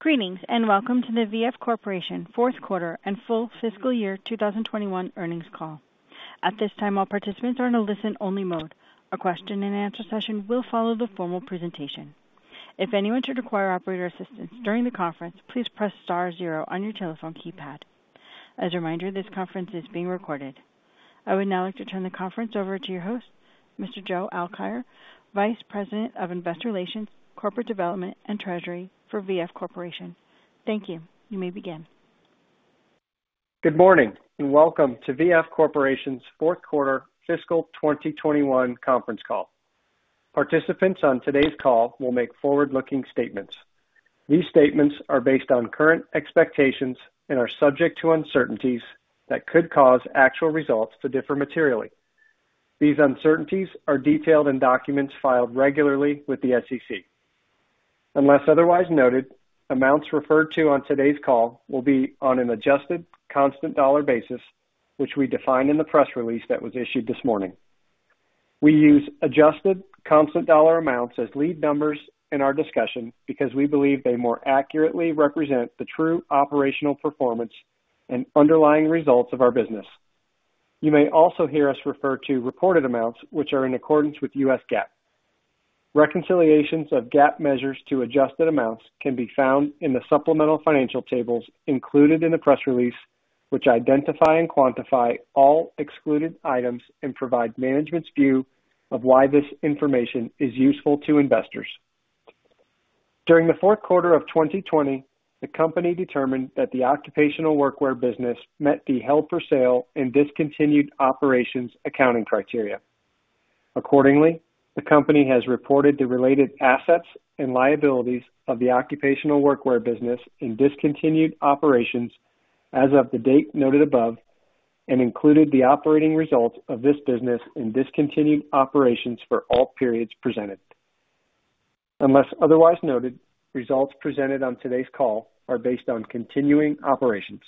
Greetings, welcome to the VF Corporation fourth quarter and full fiscal year 2021 earnings call. At this time, all participants are in a listen-only mode. A question and answer session will follow the formal presentation. If anyone should require operator assistance during the conference, please press star zero on your telephone keypad. As a reminder, this conference is being recorded. I would now like to turn the conference over to your host, Mr. Joe Alkire, Vice President of Investor Relations, Corporate Development, and Treasury for VF Corporation. Thank you. You may begin. Good morning, welcome to VF Corporation's fourth quarter fiscal 2021 conference call. Participants on today's call will make forward-looking statements. These statements are based on current expectations and are subject to uncertainties that could cause actual results to differ materially. These uncertainties are detailed in documents filed regularly with the SEC. Unless otherwise noted, amounts referred to on today's call will be on an adjusted constant dollar basis, which we define in the press release that was issued this morning. We use adjusted constant dollar amounts as lead numbers in our discussion because we believe they more accurately represent the true operational performance and underlying results of our business. You may also hear us refer to reported amounts, which are in accordance with US GAAP. Reconciliations of GAAP measures to adjusted amounts can be found in the supplemental financial tables included in the press release, which identify and quantify all excluded items and provide management's view of why this information is useful to investors. During the fourth quarter of 2020, the company determined that the occupational workwear business met the held-for-sale and discontinued operations accounting criteria. Accordingly, the company has reported the related assets and liabilities of the occupational workwear business in discontinued operations as of the date noted above and included the operating results of this business in discontinued operations for all periods presented. Unless otherwise noted, results presented on today's call are based on continuing operations.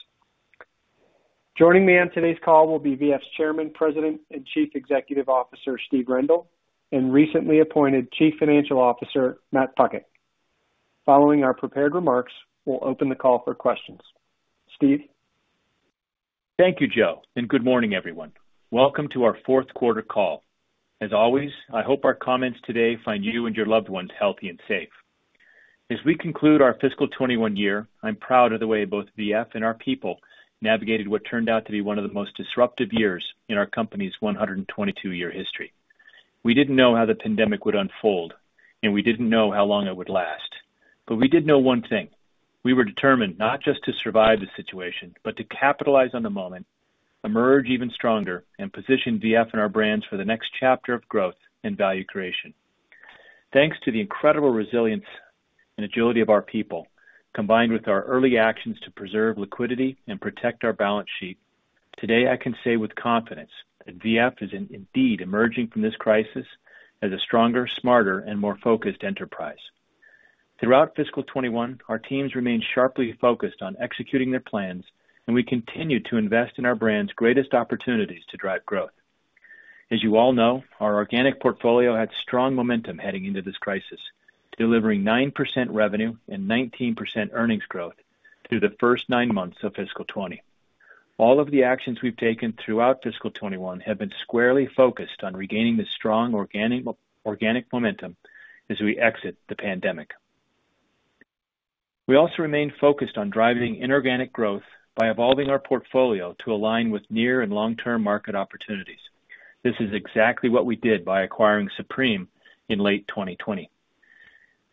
Joining me on today's call will be VF's Chairman, President, and Chief Executive Officer, Steve Rendle, and recently appointed Chief Financial Officer, Matt Puckett. Following our prepared remarks, we'll open the call for questions. Steve? Thank you, Joe, and good morning, everyone. Welcome to our fourth quarter call. As always, I hope our comments today find you and your loved ones healthy and safe. As we conclude our fiscal 2021 year, I'm proud of the way both VF and our people navigated what turned out to be one of the most disruptive years in our company's 122-year history. We didn't know how the pandemic would unfold, and we didn't know how long it would last. We did know one thing. We were determined not just to survive the situation, but to capitalize on the moment, emerge even stronger, and position VF and our brands for the next chapter of growth and value creation. Thanks to the incredible resilience and agility of our people, combined with our early actions to preserve liquidity and protect our balance sheet, today I can say with confidence that VF is indeed emerging from this crisis as a stronger, smarter, and more focused enterprise. Throughout fiscal 2021, our teams remained sharply focused on executing their plans, and we continued to invest in our brands' greatest opportunities to drive growth. As you all know, our organic portfolio had strong momentum heading into this crisis, delivering 9% revenue and 19% earnings growth through the first nine months of fiscal 2020. All of the actions we've taken throughout fiscal 2021 have been squarely focused on regaining the strong organic momentum as we exit the pandemic. We also remain focused on driving inorganic growth by evolving our portfolio to align with near and long-term market opportunities. This is exactly what we did by acquiring Supreme in late 2020,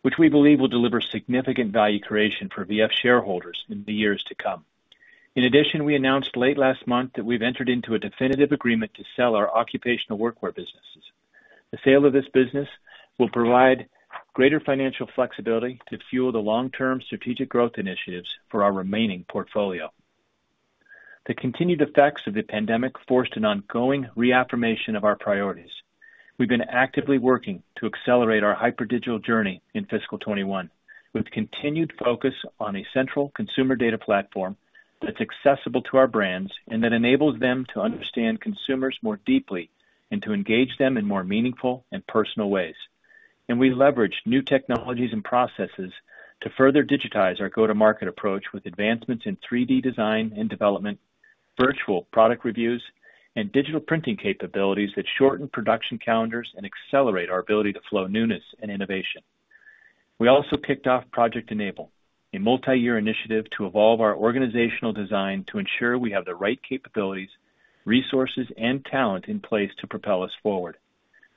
which we believe will deliver significant value creation for VF shareholders in the years to come. In addition, we announced late last month that we've entered into a definitive agreement to sell our occupational workwear businesses. The sale of this business will provide greater financial flexibility to fuel the long-term strategic growth initiatives for our remaining portfolio. The continued effects of the pandemic forced an ongoing reaffirmation of our priorities. We've been actively working to accelerate our hyper digital journey in fiscal 2021 with continued focus on a central consumer data platform that's accessible to our brands and that enables them to understand consumers more deeply and to engage them in more meaningful and personal ways. We leverage new technologies and processes to further digitize our go-to-market approach with advancements in 3D design and development, virtual product reviews, and digital printing capabilities that shorten production calendars and accelerate our ability to flow newness and innovation. We also kicked off Project Enable, a multi-year initiative to evolve our organizational design to ensure we have the right capabilities, resources, and talent in place to propel us forward.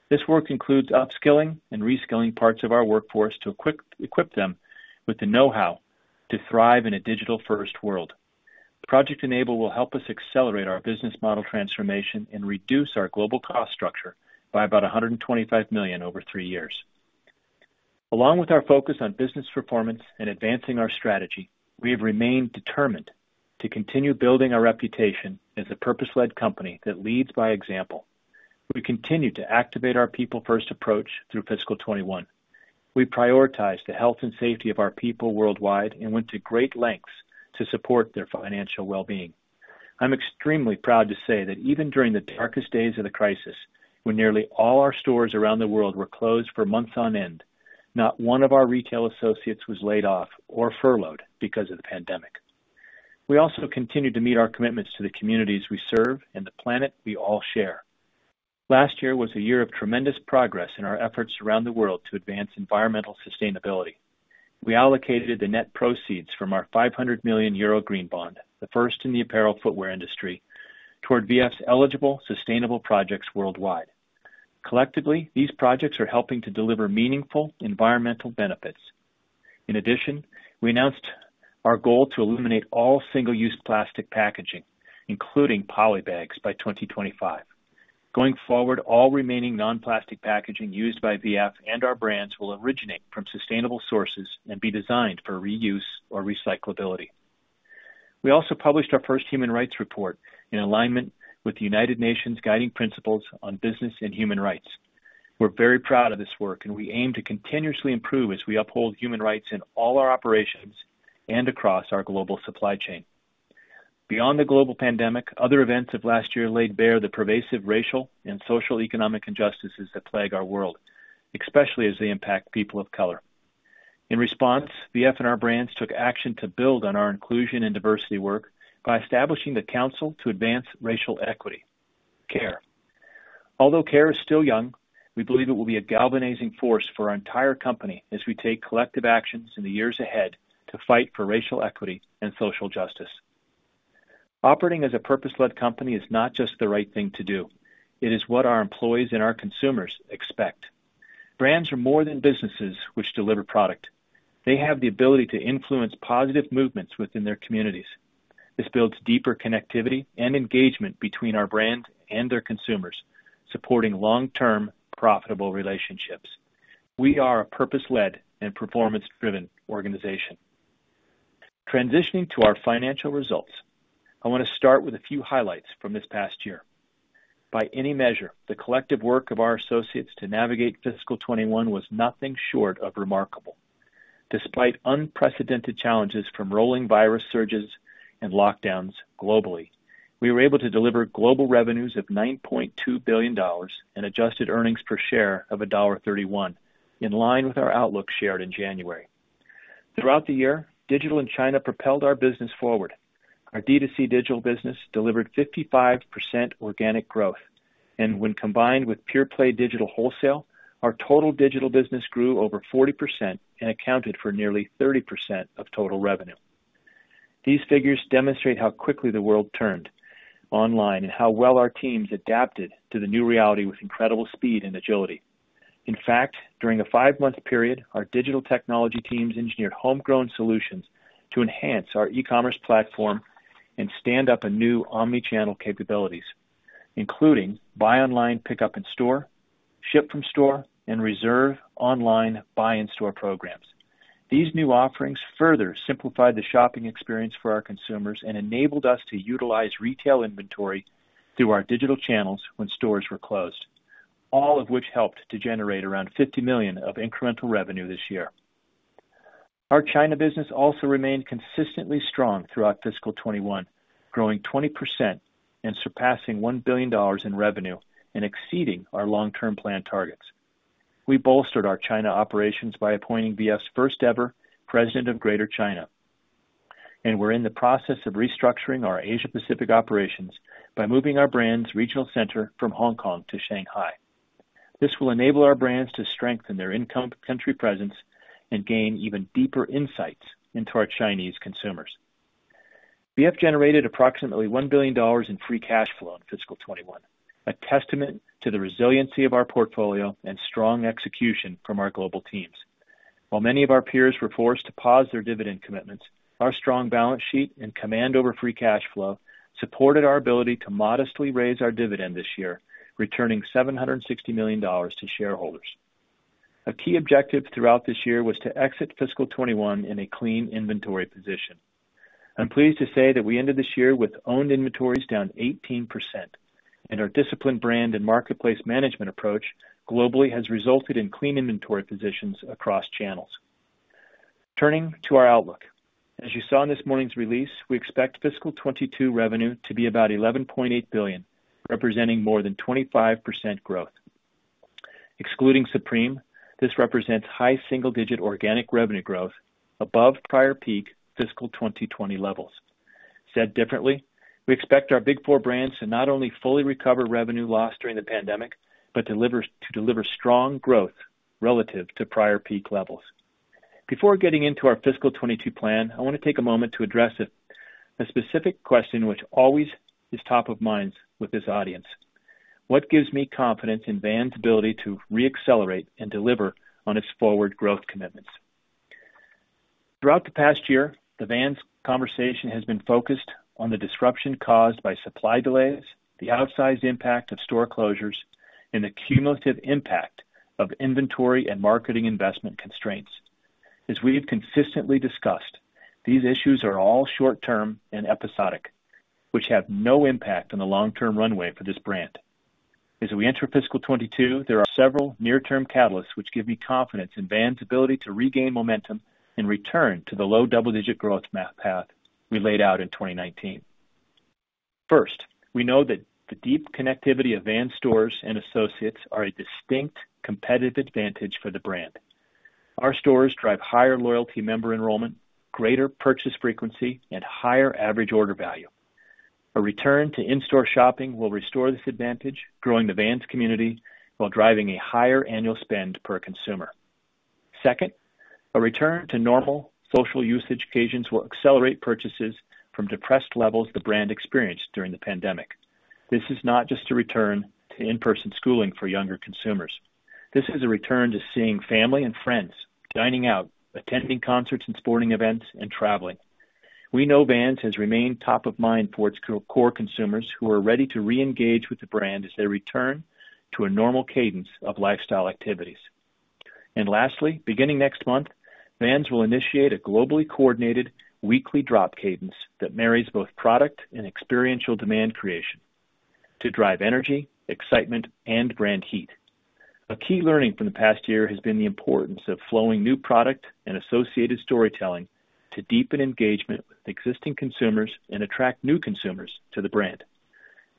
This work includes upskilling and reskilling parts of our workforce to equip them with the know-how to thrive in a digital-first world. Project Enable will help us accelerate our business model transformation and reduce our global cost structure by about $125 million over three years. Along with our focus on business performance and advancing our strategy, we have remained determined to continue building our reputation as a purpose-led company that leads by example. We continued to activate our people-first approach through fiscal 2021. We prioritized the health and safety of our people worldwide and went to great lengths to support their financial well-being. I'm extremely proud to say that even during the darkest days of the crisis, when nearly all our stores around the world were closed for months on end, not one of our retail associates was laid off or furloughed because of the pandemic. We also continued to meet our commitments to the communities we serve and the planet we all share. Last year was a year of tremendous progress in our efforts around the world to advance environmental sustainability. We allocated the net proceeds from our 500 million euro green bond, the first in the apparel footwear industry, toward VF's eligible sustainable projects worldwide. Collectively, these projects are helping to deliver meaningful environmental benefits. We announced our goal to eliminate all single-use plastic packaging, including poly bags, by 2025. Going forward, all remaining non-plastic packaging used by VF and our brands will originate from sustainable sources and be designed for reuse or recyclability. We also published our first human rights report in alignment with the United Nations Guiding Principles on Business and Human Rights. We're very proud of this work, we aim to continuously improve as we uphold human rights in all our operations and across our global supply chain. Beyond the global pandemic, other events of last year laid bare the pervasive racial and socioeconomic injustices that plague our world, especially as they impact people of color. In response, VF and our brands took action to build on our inclusion and diversity work by establishing the Council to Advance Racial Equity, CARE. Although CARE is still young, we believe it will be a galvanizing force for our entire company as we take collective actions in the years ahead to fight for racial equity and social justice. Operating as a purpose-led company is not just the right thing to do. It is what our employees and our consumers expect. Brands are more than businesses which deliver product. They have the ability to influence positive movements within their communities. This builds deeper connectivity and engagement between our brands and their consumers, supporting long-term profitable relationships. We are a purpose-led and performance-driven organization. Transitioning to our financial results, I want to start with a few highlights from this past year. By any measure, the collective work of our associates to navigate fiscal 2021 was nothing short of remarkable. Despite unprecedented challenges from rolling virus surges and lockdowns globally, we were able to deliver global revenues of $9.2 billion and adjusted earnings per share of $1.31, in line with our outlook shared in January. Throughout the year, digital and China propelled our business forward. Our D2C digital business delivered 55% organic growth, and when combined with pure-play digital wholesale, our total digital business grew over 40% and accounted for nearly 30% of total revenue. These figures demonstrate how quickly the world turned online and how well our teams adapted to the new reality with incredible speed and agility. In fact, during a five-month period, our digital technology teams engineered homegrown solutions to enhance our e-commerce platform and stand up new omni-channel capabilities, including buy online, pickup in store, ship from store, and reserve online, buy in-store programs. These new offerings further simplified the shopping experience for our consumers and enabled us to utilize retail inventory through our digital channels when stores were closed. All of which helped to generate around $50 million of incremental revenue this year. Our China business also remained consistently strong throughout fiscal 2021, growing 20% and surpassing $1 billion in revenue and exceeding our long-term plan targets. We bolstered our China operations by appointing VF's first-ever President of Greater China, and we're in the process of restructuring our Asia-Pacific operations by moving our brand's regional center from Hong Kong to Shanghai. This will enable our brands to strengthen their in-country presence and gain even deeper insights into our Chinese consumers. VF generated approximately $1 billion in free cash flow in fiscal 2021, a testament to the resiliency of our portfolio and strong execution from our global teams. While many of our peers were forced to pause their dividend commitments, our strong balance sheet and command over free cash flow supported our ability to modestly raise our dividend this year, returning $760 million to shareholders. A key objective throughout this year was to exit fiscal 2021 in a clean inventory position. I'm pleased to say that we ended this year with owned inventories down 18%, and our disciplined brand and marketplace management approach globally has resulted in clean inventory positions across channels. Turning to our outlook. As you saw in this morning's release, we expect fiscal 2022 revenue to be about $11.8 billion, representing more than 25% growth. Excluding Supreme, this represents high single-digit organic revenue growth above prior peak fiscal 2020 levels. Said differently, we expect our big four brands to not only fully recover revenue lost during the pandemic, but to deliver strong growth relative to prior peak levels. Before getting into our fiscal 2022 plan, I want to take a moment to address a specific question which always is top of mind with this audience. What gives me confidence in Vans' ability to re-accelerate and deliver on its forward growth commitments? Throughout the past year, the Vans conversation has been focused on the disruption caused by supply delays, the outsized impact of store closures, and the cumulative impact of inventory and marketing investment constraints. As we have consistently discussed, these issues are all short-term and episodic, which have no impact on the long-term runway for this brand. As we enter fiscal 2022, there are several near-term catalysts which give me confidence in Vans' ability to regain momentum and return to the low double-digit growth path we laid out in 2019. We know that the deep connectivity of Vans stores and associates are a distinct competitive advantage for the brand. Our stores drive higher loyalty member enrollment, greater purchase frequency, and higher average order value. A return to in-store shopping will restore this advantage, growing the Vans community while driving a higher annual spend per consumer. A return to normal social usage occasions will accelerate purchases from depressed levels the brand experienced during the pandemic. This is not just a return to in-person schooling for younger consumers. This is a return to seeing family and friends, dining out, attending concerts and sporting events, and traveling. We know Vans has remained top of mind for its core consumers who are ready to reengage with the brand as they return to a normal cadence of lifestyle activities. Lastly, beginning next month, Vans will initiate a globally coordinated weekly drop cadence that marries both product and experiential demand creation to drive energy, excitement, and brand heat. A key learning from the past year has been the importance of flowing new product and associated storytelling to deepen engagement with existing consumers and attract new consumers to the brand.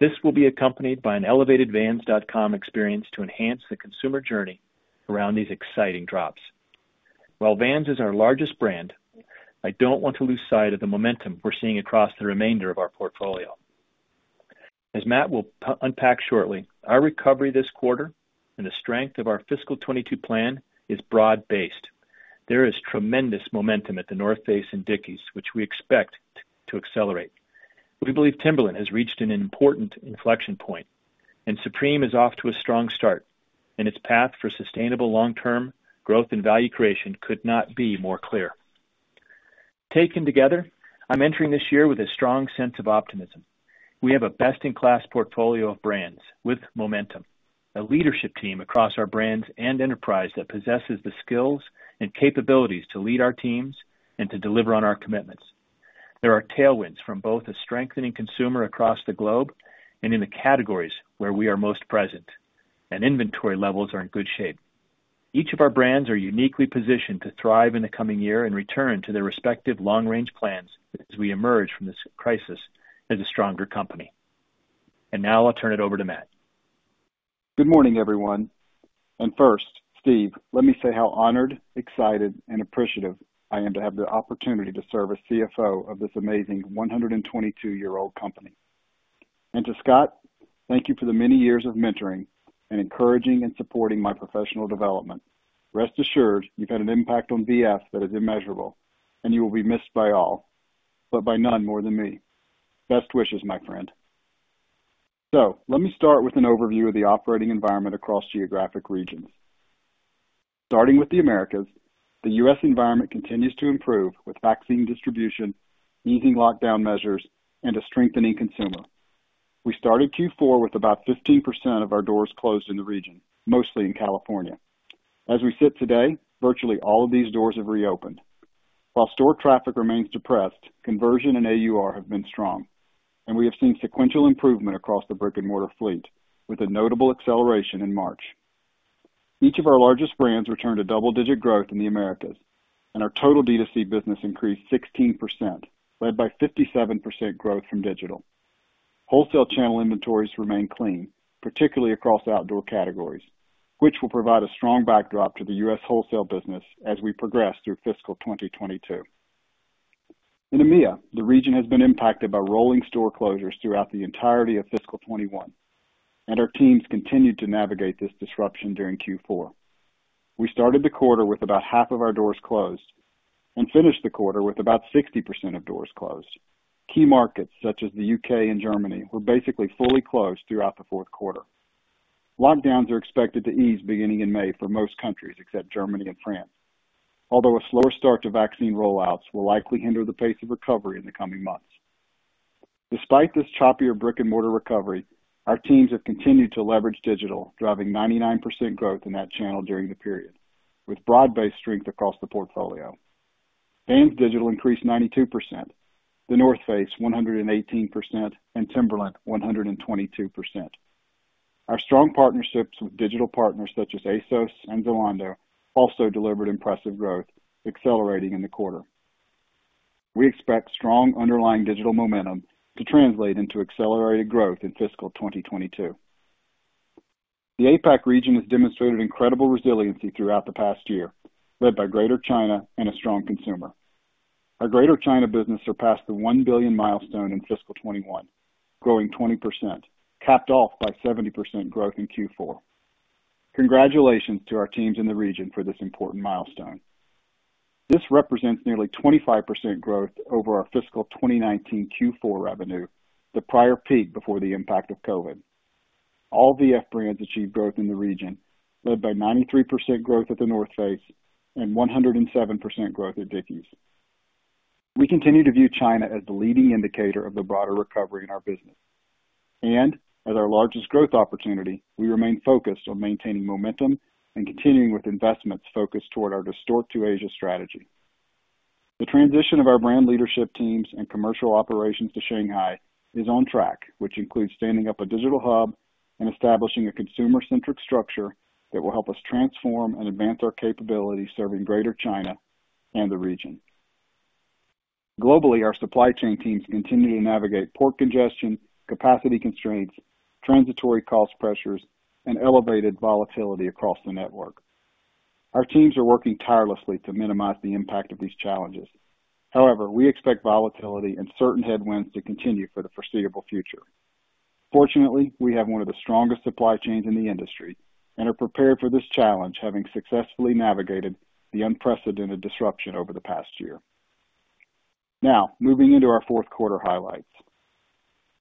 This will be accompanied by an elevated vans.com experience to enhance the consumer journey around these exciting drops. While Vans is our largest brand, I don't want to lose sight of the momentum we're seeing across the remainder of our portfolio. As Matt will unpack shortly, our recovery this quarter and the strength of our fiscal 2022 plan is broad-based. There is tremendous momentum at The North Face and Dickies, which we expect to accelerate. We believe Timberland has reached an important inflection point, and Supreme is off to a strong start, and its path for sustainable long-term growth and value creation could not be more clear. Taken together, I'm entering this year with a strong sense of optimism. We have a best-in-class portfolio of brands with momentum, a leadership team across our brands and enterprise that possesses the skills and capabilities to lead our teams and to deliver on our commitments. There are tailwinds from both the strengthening consumer across the globe and in the categories where we are most present, and inventory levels are in good shape. Each of our brands are uniquely positioned to thrive in the coming year and return to their respective long-range plans as we emerge from this crisis as a stronger company. Now I'll turn it over to Matt. Good morning, everyone. First, Steve, let me say how honored, excited, and appreciative I am to have the opportunity to serve as CFO of this amazing 122-year-old company. To Scott, thank you for the many years of mentoring and encouraging and supporting my professional development. Rest assured, you've had an impact on VF that is immeasurable, and you will be missed by all, but by none more than me. Best wishes, my friend. Let me start with an overview of the operating environment across geographic regions. Starting with the Americas, the US environment continues to improve with vaccine distribution, easing lockdown measures, and a strengthening consumer. We started Q4 with about 15% of our doors closed in the region, mostly in California. As we sit today, virtually all of these doors have reopened. While store traffic remains depressed, conversion and AUR have been strong, and we have seen sequential improvement across the brick-and-mortar fleet, with a notable acceleration in March. Each of our largest brands returned to double-digit growth in the Americas, and our total D2C business increased 16%, led by 57% growth from digital. Wholesale channel inventories remain clean, particularly across outdoor categories, which will provide a strong backdrop to the US wholesale business as we progress through fiscal 2022. In EMEA, the region has been impacted by rolling store closures throughout the entirety of fiscal 2021, and our teams continued to navigate this disruption during Q4. We started the quarter with about half of our doors closed and finished the quarter with about 60% of doors closed. Key markets such as the U.K., and Germany were basically fully closed throughout the fourth quarter. Lockdowns are expected to ease beginning in May for most countries, except Germany and France, although a slower start to vaccine rollouts will likely hinder the pace of recovery in the coming months. Despite this choppier brick-and-mortar recovery, our teams have continued to leverage digital, driving 99% growth in that channel during the period, with broad-based strength across the portfolio. Vans digital increased 92%, The North Face 118%, and Timberland 122%. Our strong partnerships with digital partners such as ASOS and Zalando also delivered impressive growth, accelerating in the quarter. We expect strong underlying digital momentum to translate into accelerated growth in fiscal 2022. The APAC region has demonstrated incredible resiliency throughout the past year, led by Greater China and a strong consumer. Our Greater China business surpassed the $1 billion milestone in fiscal 2021, growing 20%, capped off by 70% growth in Q4. Congratulations to our teams in the region for this important milestone. This represents nearly 25% growth over our fiscal 2019 Q4 revenue, the prior peak before the impact of COVID. All VF brands achieved growth in the region, led by 93% growth at The North Face and 107% growth at Dickies. We continue to view China as the leading indicator of the broader recovery in our business. As our largest growth opportunity, we remain focused on maintaining momentum and continuing with investments focused toward our D2C to Asia strategy. The transition of our brand leadership teams and commercial operations to Shanghai is on track, which includes standing up a digital hub and establishing a consumer-centric structure that will help us transform and advance our capabilities serving Greater China and the region. Globally, our supply chain teams continue to navigate port congestion, capacity constraints, transitory cost pressures, and elevated volatility across the network. Our teams are working tirelessly to minimize the impact of these challenges. We expect volatility and certain headwinds to continue for the foreseeable future. Fortunately, we have one of the strongest supply chains in the industry and are prepared for this challenge, having successfully navigated the unprecedented disruption over the past year. Moving into our fourth quarter highlights.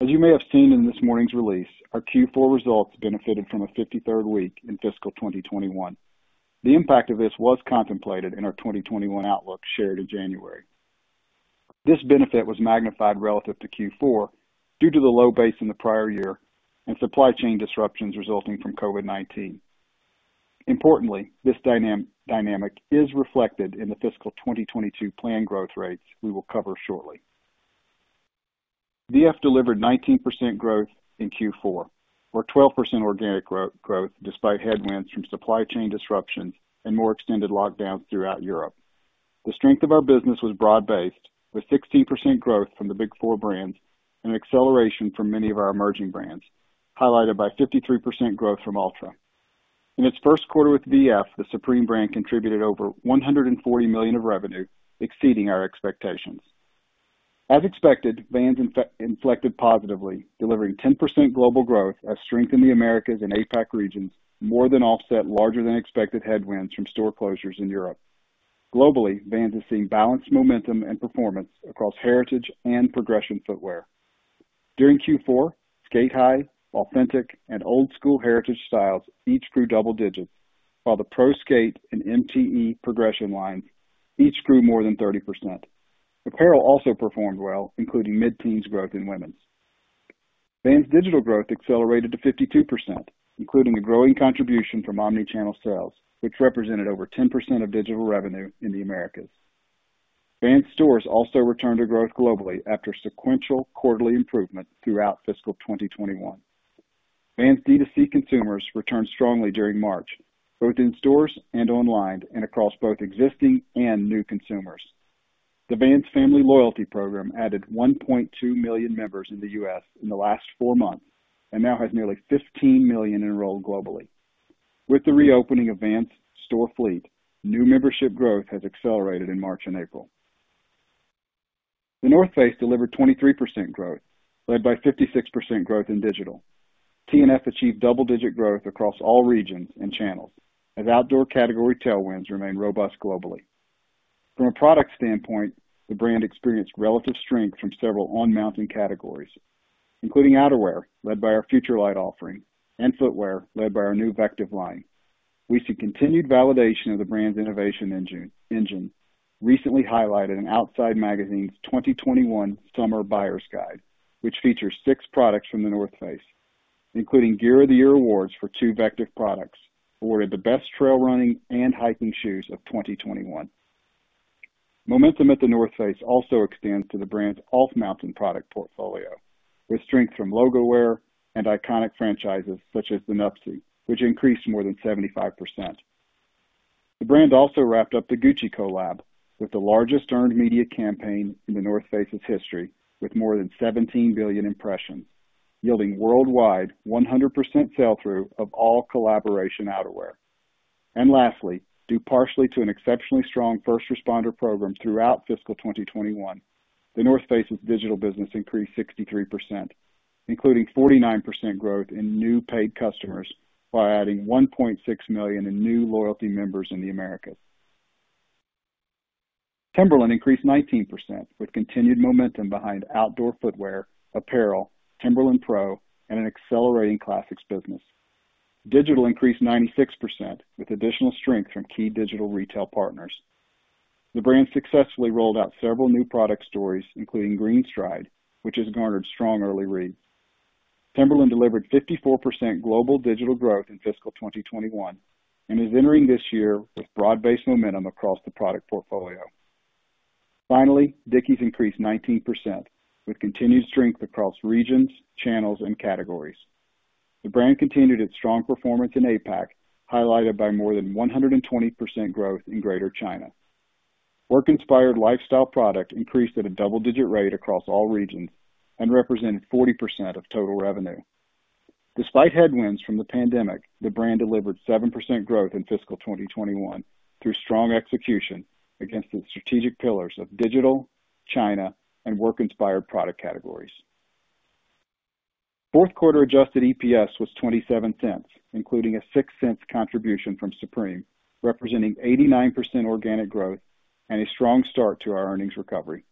As you may have seen in this morning's release, our Q4 results benefited from a 53rd week in fiscal 2021. The impact of this was contemplated in our 2021 outlook shared in January. This benefit was magnified relative to Q4 due to the low base in the prior year and supply chain disruptions resulting from COVID-19. This dynamic is reflected in the fiscal 2022 plan growth rates we will cover shortly. VF delivered 19% growth in Q4, or 12% organic growth despite headwinds from supply chain disruptions and more extended lockdowns throughout Europe. The strength of our business was broad-based with 16% growth from the big four brands and acceleration from many of our emerging brands, highlighted by 53% growth from Altra. In its first quarter with VF the Supreme brand contributed over $140 million of revenue, exceeding our expectations. As expected, Vans inflected positively, delivering 10% global growth as strength in the Americas and APAC regions more than offset larger-than-expected headwinds from store closures in Europe. Globally, Vans is seeing balanced momentum and performance across heritage and progression footwear. During Q4, Sk8-Hi, Authentic, and Old Skool heritage styles each grew double digits, while the PRO Skate and MTE progression lines each grew more than 30%. Apparel also performed well, including mid-teens growth in women's. Vans digital growth accelerated to 52%, including a growing contribution from omnichannel sales, which represented over 10% of digital revenue in the Americas. Vans stores also returned to growth globally after sequential quarterly improvement throughout fiscal 2021. Vans D2C consumers returned strongly during March, both in stores and online, and across both existing and new consumers. The Vans Family Loyalty program added 1.2 million members in the U.S., in the last four months and now has nearly 15 million enrolled globally. With the reopening of Vans' store fleet, new membership growth has accelerated in March and April. The North Face delivered 23% growth, led by 56% growth in digital. TNF achieved double-digit growth across all regions and channels as outdoor category tailwinds remain robust globally. From a product standpoint, the brand experienced relative strength from several on-mountain categories, including outerwear, led by our FUTURELIGHT offering, and footwear, led by our new VECTIV line. We see continued validation of the brand's innovation engine, recently highlighted in Outside Magazine's 2021 Summer Buyer's Guide, which features six products from The North Face, including Gear of the Year awards for two VECTIV products, awarded the best trail running and hiking shoes of 2021. Momentum at The North Face also expands to the brand's off-mountain product portfolio with strength from logo wear and iconic franchises such as the Nuptse, which increased more than 75%. The brand also wrapped up the Gucci collab with the largest earned media campaign in The North Face's history, with more than 17 billion impressions, yielding worldwide 100% sell-through of all collaboration outerwear. Lastly, due partially to an exceptionally strong first responder program throughout fiscal 2021, The North Face's digital business increased 63%, including 49% growth in new paid customers by adding 1.6 million in new loyalty members in the Americas. Timberland increased 19% with continued momentum behind outdoor footwear, apparel, Timberland PRO, and an accelerating classics business. Digital increased 96% with additional strength from key digital retail partners. The brand successfully rolled out several new product stories, including GreenStride, which has garnered strong early reads. Timberland delivered 54% global digital growth in fiscal 2021 and is entering this year with broad-based momentum across the product portfolio. Dickies increased 19% with continued strength across regions, channels, and categories. The brand continued its strong performance in APAC, highlighted by more than 120% growth in Greater China. Work-inspired lifestyle product increased at a double-digit rate across all regions and represented 40% of total revenue. Despite headwinds from the pandemic, the brand delivered 7% growth in fiscal 2021 through strong execution against the strategic pillars of digital, China, and work-inspired product categories. Fourth quarter adjusted EPS was $0.27, including a $0.06 contribution from Supreme, representing 89% organic growth and a strong start to our earnings recovery.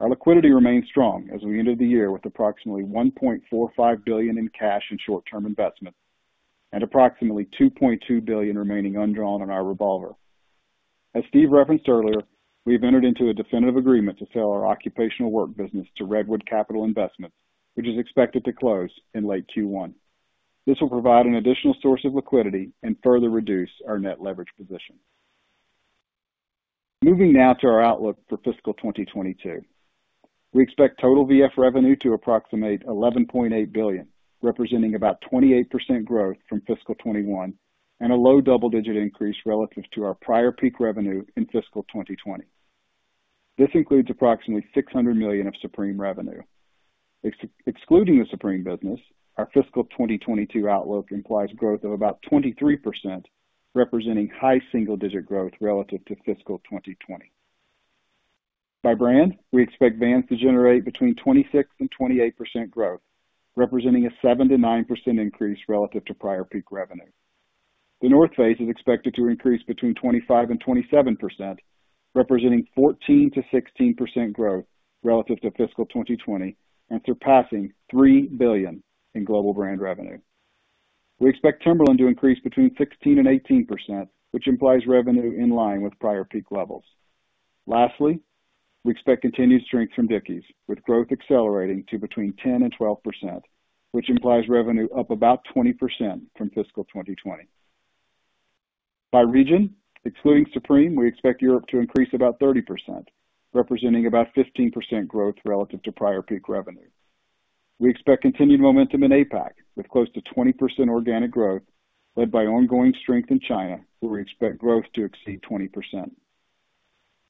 Our liquidity remains strong as we ended the year with approximately $1.45 billion in cash and short-term investments and approximately $2.2 billion remaining undrawn on our revolver. As Steve referenced earlier, we've entered into a definitive agreement to sell our occupational work business to Redwood Capital Investments, which is expected to close in late Q1. This will provide an additional source of liquidity and further reduce our net leverage position. Moving now to our outlook for fiscal 2022. We expect total VF revenue to approximate $11.8 billion, representing about 28% growth from fiscal 2021, and a low double-digit increase relative to our prior peak revenue in fiscal 2020. This includes approximately $600 million of Supreme revenue. Excluding the Supreme business, our fiscal 2022 outlook implies growth of about 23%, representing high single-digit growth relative to fiscal 2020. By brand, we expect Vans to generate 26%-28% growth, representing a 7%-9% increase relative to prior peak revenue. The North Face is expected to increase between 25% and 27%, representing 14%-16% growth relative to fiscal 2020 and surpassing $3 billion in global brand revenue. We expect Timberland to increase between 16% and 18%, which implies revenue in line with prior peak levels. Lastly, we expect continued strength from Dickies, with growth accelerating to between 10% and 12%, which implies revenue up about 20% from fiscal 2020. By region, excluding Supreme, we expect Europe to increase about 30%, representing about 15% growth relative to prior peak revenue. We expect continued momentum in APAC, with close to 20% organic growth led by ongoing strength in China, where we expect growth to exceed 20%.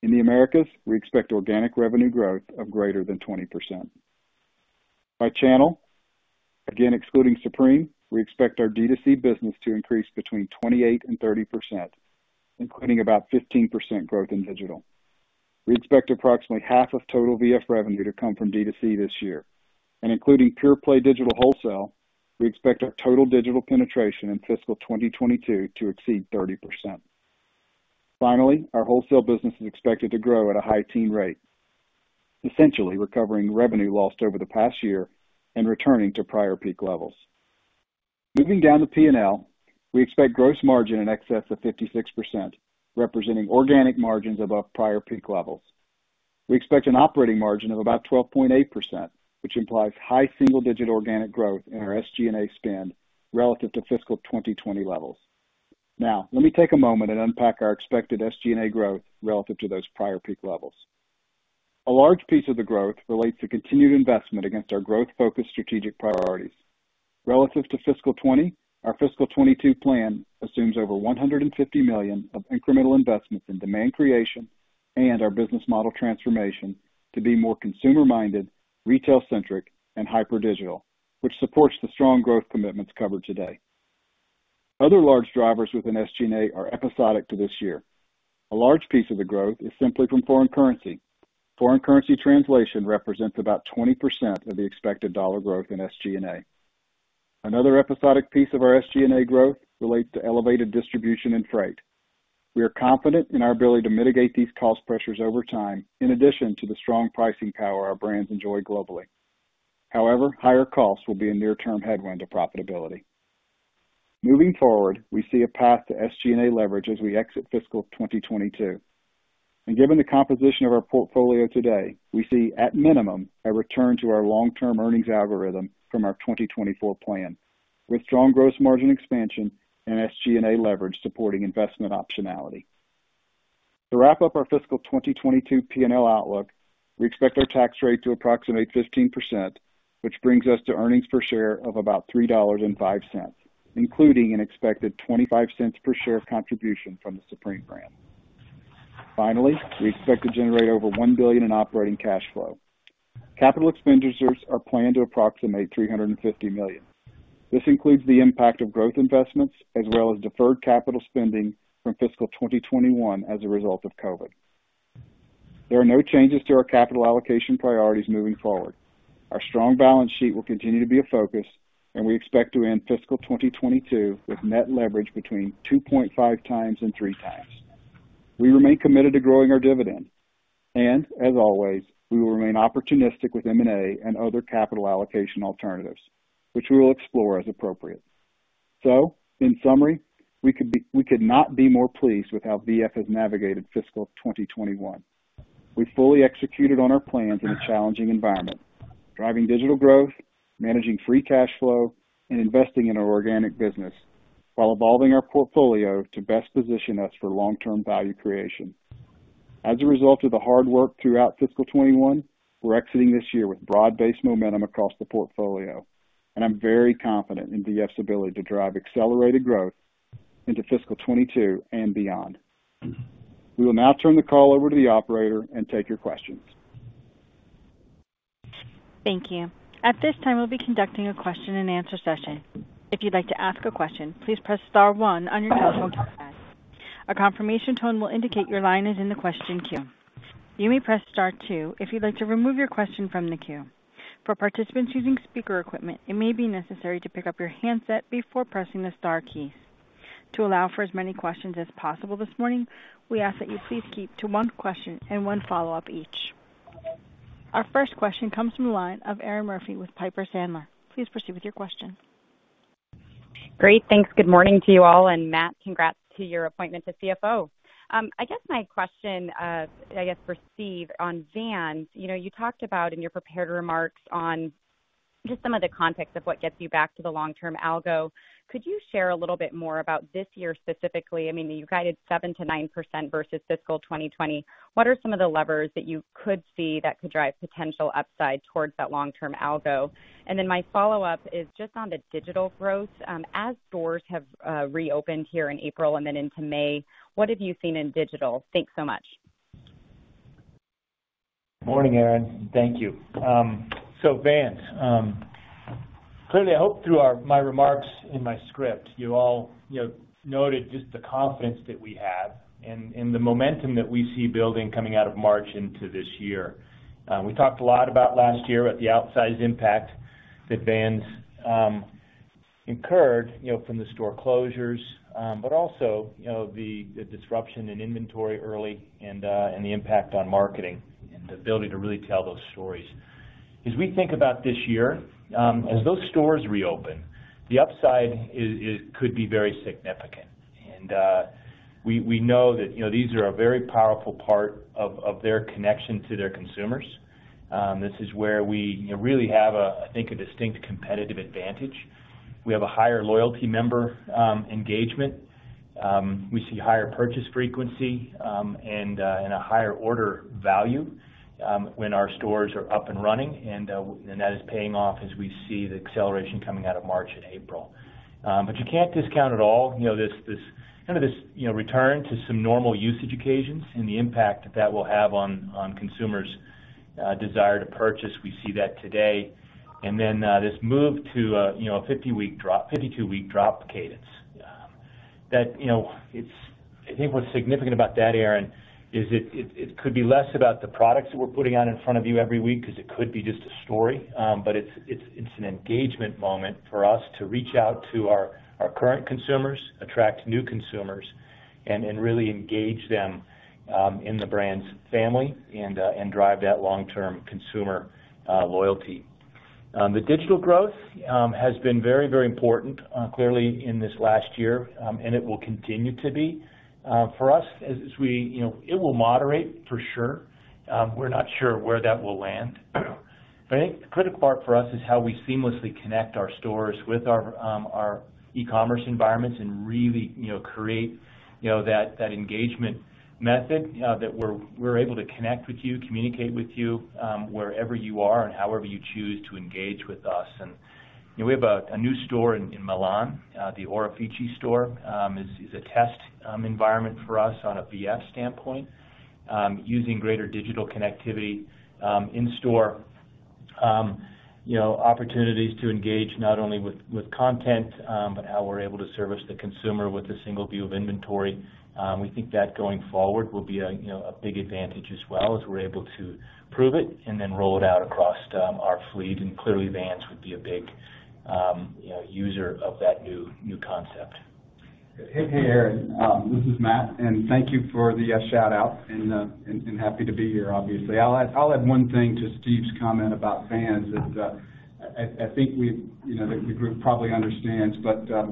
In the Americas, we expect organic revenue growth of greater than 20%. By channel, again excluding Supreme, we expect our D2C business to increase between 28% and 30%, including about 15% growth in digital. We expect approximately half of total VF revenue to come from D2C this year. Including pure-play digital wholesale, we expect our total digital penetration in fiscal 2022 to exceed 30%. Finally, our wholesale business is expected to grow at a high teen rate, essentially recovering revenue lost over the past year and returning to prior peak levels. Moving down to P&L, we expect gross margin in excess of 56%, representing organic margins above prior peak levels. We expect an operating margin of about 12.8%, which implies high single-digit organic growth in our SG&A spend relative to fiscal 2020 levels. Now, let me take a moment and unpack our expected SG&A growth relative to those prior peak levels. A large piece of the growth relates to continued investment against our growth-focused strategic priorities. Relative to fiscal 2020, our fiscal 2022 plan assumes over $150 million of incremental investments in demand creation and our business model transformation to be more consumer-minded, retail-centric, and hyper-digital, which supports the strong growth commitments covered today. Other large drivers within SG&A are episodic to this year. A large piece of the growth is simply from foreign currency. Foreign currency translation represents about 20% of the expected dollar growth in SG&A. Another episodic piece of our SG&A growth relates to elevated distribution and freight. We are confident in our ability to mitigate these cost pressures over time, in addition to the strong pricing power our brands enjoy globally. However, higher costs will be a near-term headwind to profitability. Moving forward, we see a path to SG&A leverage as we exit fiscal 2022. Given the composition of our portfolio today, we see, at minimum, a return to our long-term earnings algorithm from our 2024 plan, with strong gross margin expansion and SG&A leverage supporting investment optionality. To wrap up our fiscal 2022 P&L outlook, we expect our tax rate to approximate 15%, which brings us to earnings per share of about $3.05, including an expected $0.25 per share of contribution from the Supreme brand. Finally, we expect to generate over $1 billion in operating cash flow. Capital expenditures are planned to approximate $350 million. This includes the impact of growth investments as well as deferred capital spending from fiscal 2021 as a result of COVID. There are no changes to our capital allocation priorities moving forward. Our strong balance sheet will continue to be a focus, and we expect to end fiscal 2022 with net leverage between 2.5x and 3x. We remain committed to growing our dividend. As always, we will remain opportunistic with M&A and other capital allocation alternatives, which we will explore as appropriate. In summary, we could not be more pleased with how VF has navigated fiscal 2021. We fully executed on our plans in a challenging environment, driving digital growth, managing free cash flow, and investing in our organic business while evolving our portfolio to best position us for long-term value creation. As a result of the hard work throughout fiscal 2021, we're exiting this year with broad-based momentum across the portfolio, and I'm very confident in VF's ability to drive accelerated growth into fiscal 2022 and beyond. We will now turn the call over to the operator and take your questions. Thank you. At this time, we'll be conducting a question-and-answer session. If you'd like to ask a question, please press star one on your telephone keypad. A confirmation tone will indicate your line is in the question queue. You may press star two if you'd like to remove your question from the queue. For participants using speaker equipment, it may be necessary to pick up your handset before pressing the star key. To allow for as many questions as possible this morning, we ask that you please keep to one question and one follow-up each. Our first question comes from the line of Erinn Murphy with Piper Sandler. Please proceed with your question. Great. Thanks. Good morning to you all. Matt, congrats to your appointment to CFO. I guess my question, I guess for Steve on Vans. You talked about in your prepared remarks on just some of the context of what gets you back to the long-term algo. Could you share a little bit more about this year specifically? You guided 7%-9% versus fiscal 2020. What are some of the levers that you could see that could drive potential upside towards that long-term algo? My follow-up is just on the digital growth. As stores have reopened here in April and into May, what have you seen in digital? Thanks so much. Morning, Erinn. Thank you. Vans, clearly, I hope through my remarks in my script, you all noted just the confidence that we have and the momentum that we see building coming out of March into this year. We talked a lot about last year, about the outsized impact that Vans incurred from the store closures, but also the disruption in inventory early and the impact on marketing and the ability to really tell those stories. As we think about this year, as those stores reopen, the upside could be very significant. We know that these are a very powerful part of their connection to their consumers. This is where we really have, I think, a distinct competitive advantage. We have a higher loyalty member engagement. We see higher purchase frequency and a higher order value when our stores are up and running, and that is paying off as we see the acceleration coming out of March and April. You can't discount at all this return to some normal usage occasions and the impact that will have on consumers' desire to purchase. We see that today. Then this move to a 52-week drop cadence. I think what's significant about that, Erinn, is it could be less about the products that we're putting out in front of you every week because it could be just a story, but it's an engagement moment for us to reach out to our current consumers, attract new consumers, and really engage them in the Vans Family and drive that long-term consumer loyalty. The digital growth has been very important, clearly, in this last year. It will continue to be. For us, it will moderate for sure. We're not sure where that will land. I think the critical part for us is how we seamlessly connect our stores with our e-commerce environments and really create that engagement method, that we're able to connect with you, communicate with you wherever you are and however you choose to engage with us. We have a new store in Milan, the Orefici store, is a test environment for us on a VF standpoint using greater digital connectivity in-store, opportunities to engage not only with content, but how we're able to service the consumer with a single view of inventory. We think that going forward will be a big advantage as well as we're able to prove it and then roll it out across our fleet. Clearly, Vans would be a big user of that new concept. Hey, Erinn, this is Matt. Thank you for the shout-out, and happy to be here, obviously. I'll add one thing to Steve's comment about Vans that I think the group probably understands.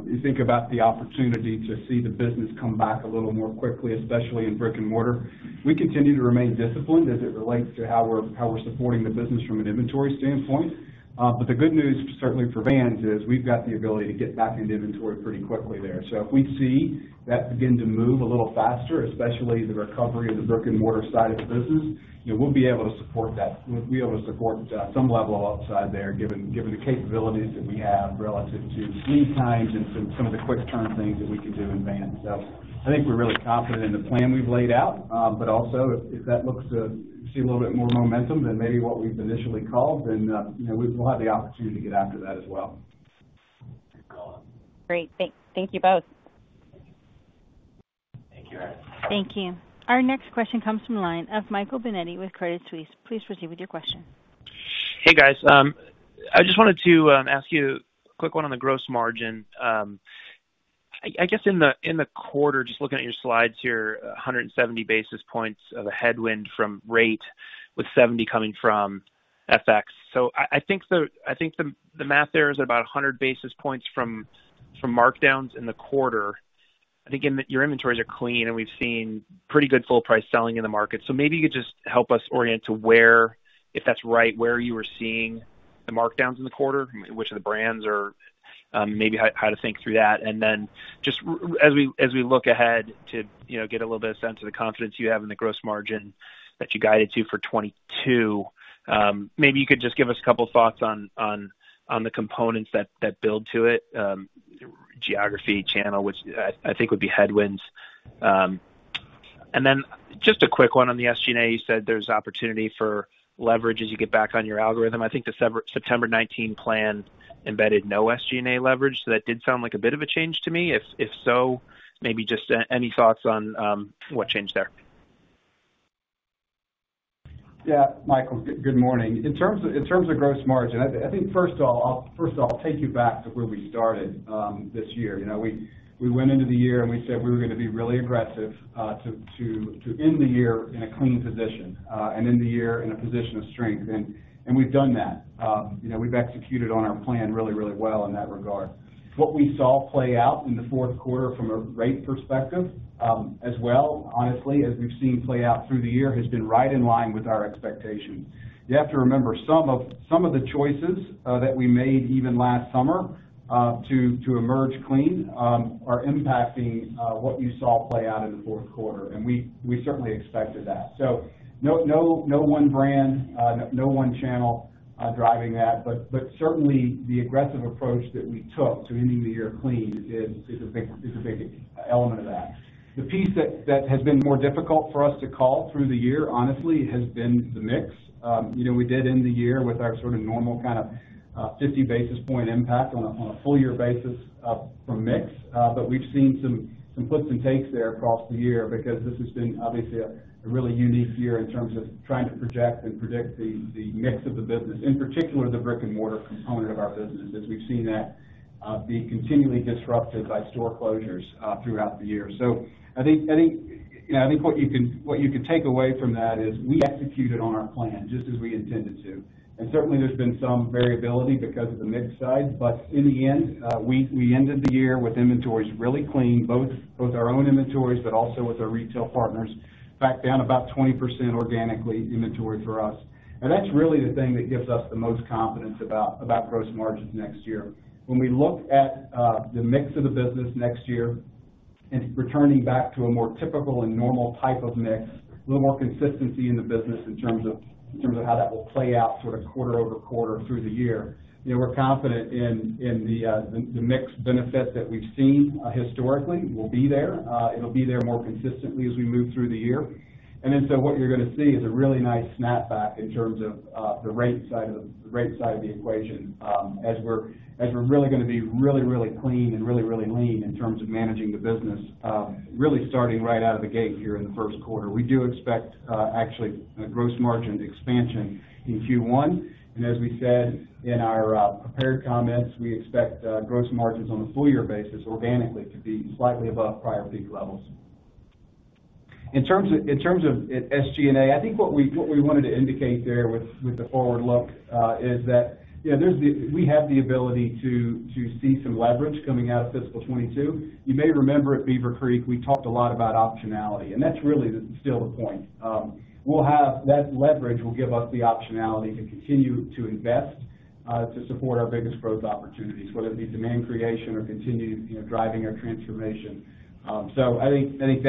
You think about the opportunity to see the business come back a little more quickly, especially in brick and mortar. We continue to remain disciplined as it relates to how we're supporting the business from an inventory standpoint. The good news, certainly for Vans, is we've got the ability to get after the inventory pretty quickly there. If we see that begin to move a little faster, especially the recovery of the brick and mortar side of the business, we'll be able to support some level of upside there given the capabilities that we have relative to lead times and some of the quick turn things that we can do in Vans. I think we're really confident in the plan we've laid out. Also, if that looks to see a little bit more momentum than maybe what we've initially called, then we will have the opportunity to get after that as well. Great. Thank you both. Thank you, Erinn. Thank you. Our next question comes from the line of Michael Binetti with Credit Suisse. Please proceed with your question. Hey, guys. I just wanted to ask you a quick one on the gross margin. I guess in the quarter, just looking at your slides here, 170 basis points of a headwind from rate with 70 coming from FX. I think the math there is about 100 basis points from markdowns in the quarter. I think your inventories are clean, and we've seen pretty good full price selling in the market. Maybe you could just help us orient to where, if that's right, where you were seeing the markdowns in the quarter, which of the brands, or maybe how to think through that. Just as we look ahead to get a little bit of sense of the confidence you have in the gross margin that you guided to for 2022, maybe you could just give us a couple thoughts on the components that build to it, geography, channel, which I think would be headwinds. Just a quick one on the SG&A. You said there's opportunity for leverage as you get back on your algorithm. I think the September 2019 plan embedded no SG&A leverage. That did sound like a bit of a change to me. If so, maybe just any thoughts on what changed there? Yeah, Michael, good morning. In terms of gross margin, I think first of all, I'll take you back to where we started this year. We went into the year, we said we were going to be really aggressive to end the year in a clean position and end the year in a position of strength. We've done that. We've executed on our plan really well in that regard. What we saw play out in the fourth quarter from a rate perspective, as well, honestly, as we've seen play out through the year, has been right in line with our expectations. You have to remember, some of the choices that we made even last summer to emerge clean are impacting what you saw play out in the fourth quarter. We certainly expected that. No one brand, no one channel driving that. Certainly the aggressive approach that we took to ending the year clean is a big element of that. The piece that has been more difficult for us to call through the year, honestly, has been the mix. We did end the year with our normal kind of 50 basis point impact on a full year basis from mix. We've seen some puts and takes there across the year because this has been obviously a really unique year in terms of trying to project and predict the mix of the business, in particular the brick-and-mortar component of our business, as we've seen that be continually disrupted by store closures throughout the year. I think what you can take away from that is we executed on our plan just as we intended to. Certainly there's been some variability because of the mix side. In the end, we ended the year with inventories really clean, both our own inventories, but also with our retail partners back down about 20% organically inventory for us. That's really the thing that gives us the most confidence about gross margins next year. When we look at the mix of the business next year, it's returning back to a more typical and normal type of mix, a little more consistency in the business in terms of how that will play out quarter-over-quarter through the year. We're confident in the mix benefit that we've seen historically will be there. It'll be there more consistently as we move through the year. What you're going to see is a really nice snapback in terms of the rate side of the equation as we're really going to be really clean and really lean in terms of managing the business really starting right out of the gate here in the first quarter. We do expect actually a gross margin expansion in Q1. As we said in our prepared comments, we expect gross margins on a full year basis organically to be slightly above prior peak levels. In terms of SG&A, I think what we wanted to indicate there with the forward look is that we have the ability to see some leverage coming out of fiscal 2022. You may remember at Beaver Creek, we talked a lot about optionality, and that's really still the point. That leverage will give us the optionality to continue to invest to support our biggest growth opportunities, whether it be demand creation or continue driving our transformation. I think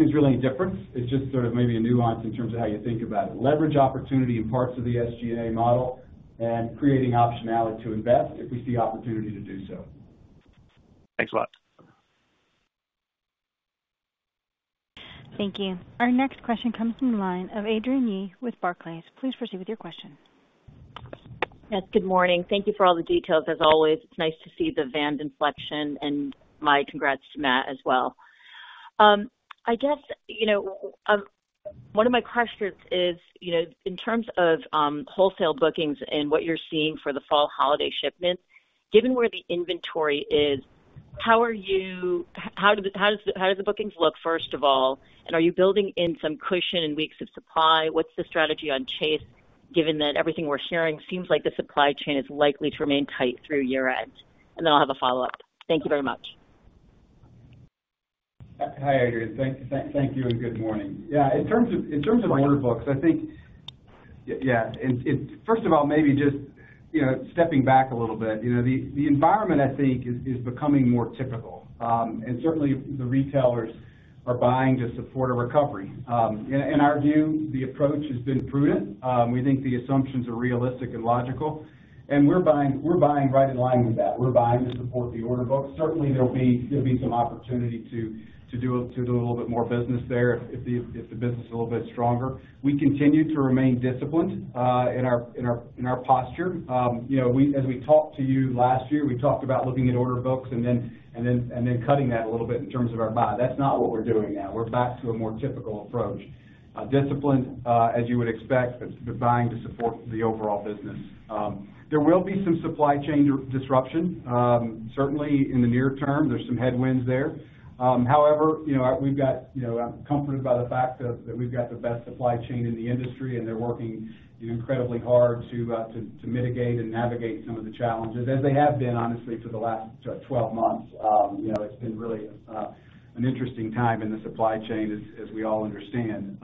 there's really a difference. It's just maybe a nuance in terms of how you think about it. Leverage opportunity in parts of the SG&A model and creating optionality to invest if we see opportunity to do so. Thanks a lot. Thank you. Our next question comes from the line of Adrienne Yih with Barclays. Please proceed with your question. Yes, good morning. Thank you for all the details, as always. It's nice to see the Vans inflection and my congrats to Matt as well. I guess one of my questions is, in terms of wholesale bookings and what you're seeing for the fall holiday shipments, given where the inventory is, how do the bookings look, first of all? Are you building in some cushion in weeks of supply? What's the strategy on chase, given that everything we're sharing seems like the supply chain is likely to remain tight through year-end? I'll have a follow-up. Thank you very much. Hi, Adrienne. Thank you. Good morning. In terms of order books, I think, first of all, maybe just stepping back a little bit, the environment I think is becoming more typical. Certainly the retailers are buying to support a recovery. In our view, the approach has been prudent. We think the assumptions are realistic and logical, and we're buying right in line with that. We're buying to support the order book. Certainly, there'll be some opportunity to do a little bit more business there if the business is a little bit stronger. We continue to remain disciplined in our posture. As we talked to you last year, we talked about looking at order books and then cutting that a little bit in terms of our buy. That's not what we're doing now. We're back to a more typical approach. Disciplined, as you would expect, but buying to support the overall business. There will be some supply chain disruption. Certainly in the near term, there's some headwinds there. However, I'm comforted by the fact that we've got the best supply chain in the industry, and they're working incredibly hard to mitigate and navigate some of the challenges as they have been, honestly, for the last 12 months. It's been really an interesting time in the supply chain, as we all understand.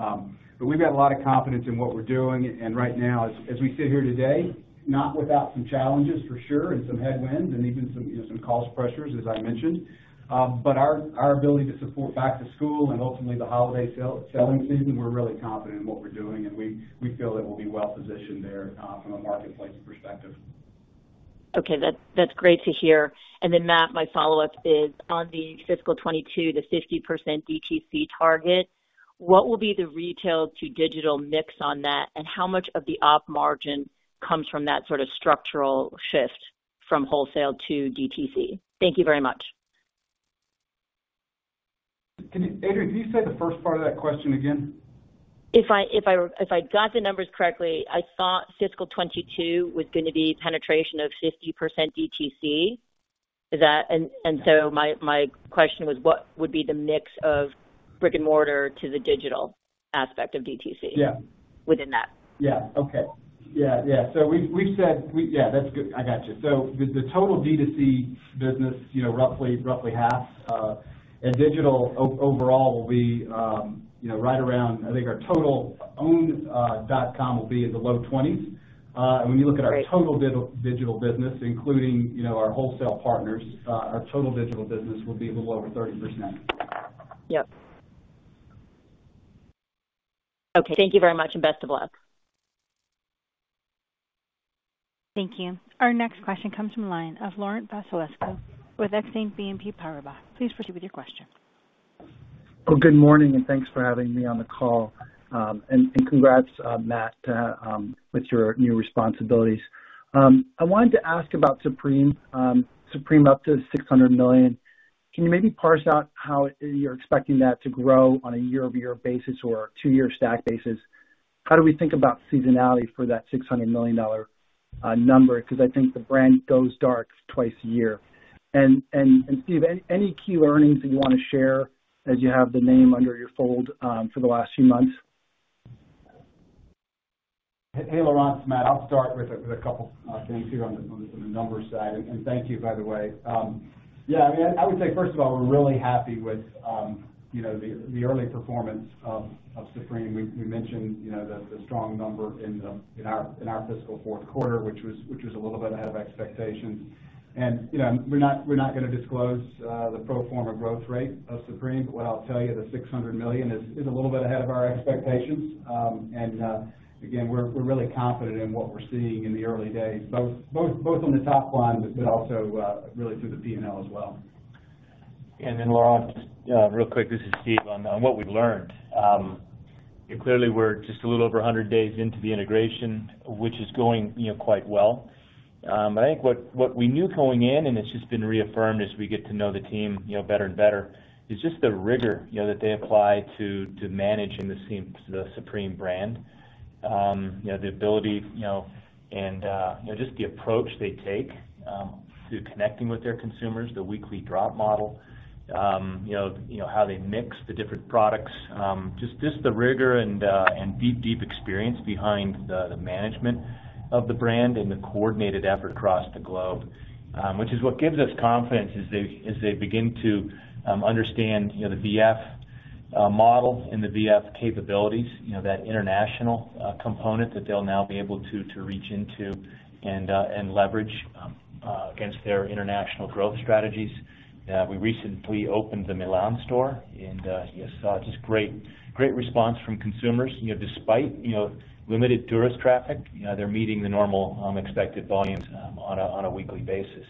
We've got a lot of confidence in what we're doing, and right now, as we sit here today, not without some challenges, for sure, and some headwinds, and even some cost pressures, as I mentioned. Our ability to support back to school and ultimately the holiday selling season, we're really confident in what we're doing, and we feel that we'll be well-positioned there from a marketplace perspective. Okay. That's great to hear. Matt, my follow-up is on the fiscal 2022, the 50% DTC target. What will be the retail to digital mix on that, and how much of the op margin comes from that sort of structural shift from wholesale to DTC? Thank you very much. Adrienne, can you say the first part of that question again? If I got the numbers correctly, I thought fiscal 2022 was going to be penetration of 50% DTC. My question was, what would be the mix of Brick-and-mortar to the digital aspect of DTC. Yeah within that. Yeah. Okay. Yeah. That's good. I got you. The total D2C business, roughly half, and digital overall will be right around, I think our total owned.com will be in the low 20s. Great. When you look at our total digital business, including our wholesale partners, our total digital business will be in the low 30%. Yep. Okay. Thank you very much, and best of luck. Thank you. Our next question comes from the line of Laurent Vasilescu with Exane BNP Paribas. Please proceed with your question. Good morning, thanks for having me on the call. Congrats, Matt, with your new responsibilities. I wanted to ask about Supreme up to $600 million. Can you maybe parse out how you're expecting that to grow on a year-over-year basis or a two-year stack basis? How do we think about seasonality for that $600 million number? I think the brand goes dark twice a year. Steve, any key learnings that you want to share as you have the name under your fold for the last few months? Hey, Laurent. It's Matt. I'll start with a couple things here on the numbers side. Thank you, by the way. Yeah, I would say, first of all, we're really happy with the early performance of Supreme. We mentioned the strong number in our fiscal fourth quarter, which was a little bit ahead of expectations. We're not going to disclose the pro forma growth rate of Supreme, what I'll tell you, the $600 million is a little bit ahead of our expectations. Again, we're really confident in what we're seeing in the early days, both on the top line, but also really through the P&L as well. Laurent, just real quick, this is Steve on what we learned. Clearly we're just a little over 100 days into the integration, which is going quite well. I think what we knew going in, and it's just been reaffirmed as we get to know the team better and better, is just the rigor that they apply to managing the Supreme brand. The ability and just the approach they take to connecting with their consumers, the weekly drop model, how they mix the different products, just the rigor and deep experience behind the management of the brand and the coordinated effort across the globe. Which is what gives us confidence as they begin to understand the VF model and the VF capabilities, that international component that they'll now be able to reach into and leverage against their international growth strategies. We recently opened the Milan store and saw just great response from consumers. Despite limited tourist traffic, they're meeting the normal expected volumes on a weekly basis.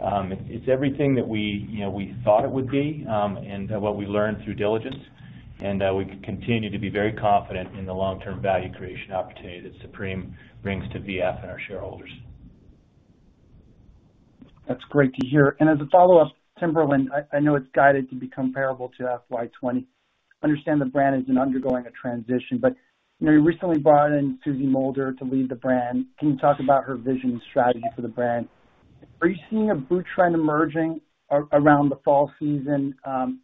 It's everything that we thought it would be and what we learned through diligence, and we continue to be very confident in the long-term value creation opportunity that Supreme brings to VF and our shareholders. That's great to hear. As a follow-up, Timberland, I know it's guided to be comparable to FY 2020. I understand the brand has been undergoing a transition, but you recently brought in Susie Mulder to lead the brand. Can you talk about her vision and strategy for the brand? Are you seeing a boot trend emerging around the fall season?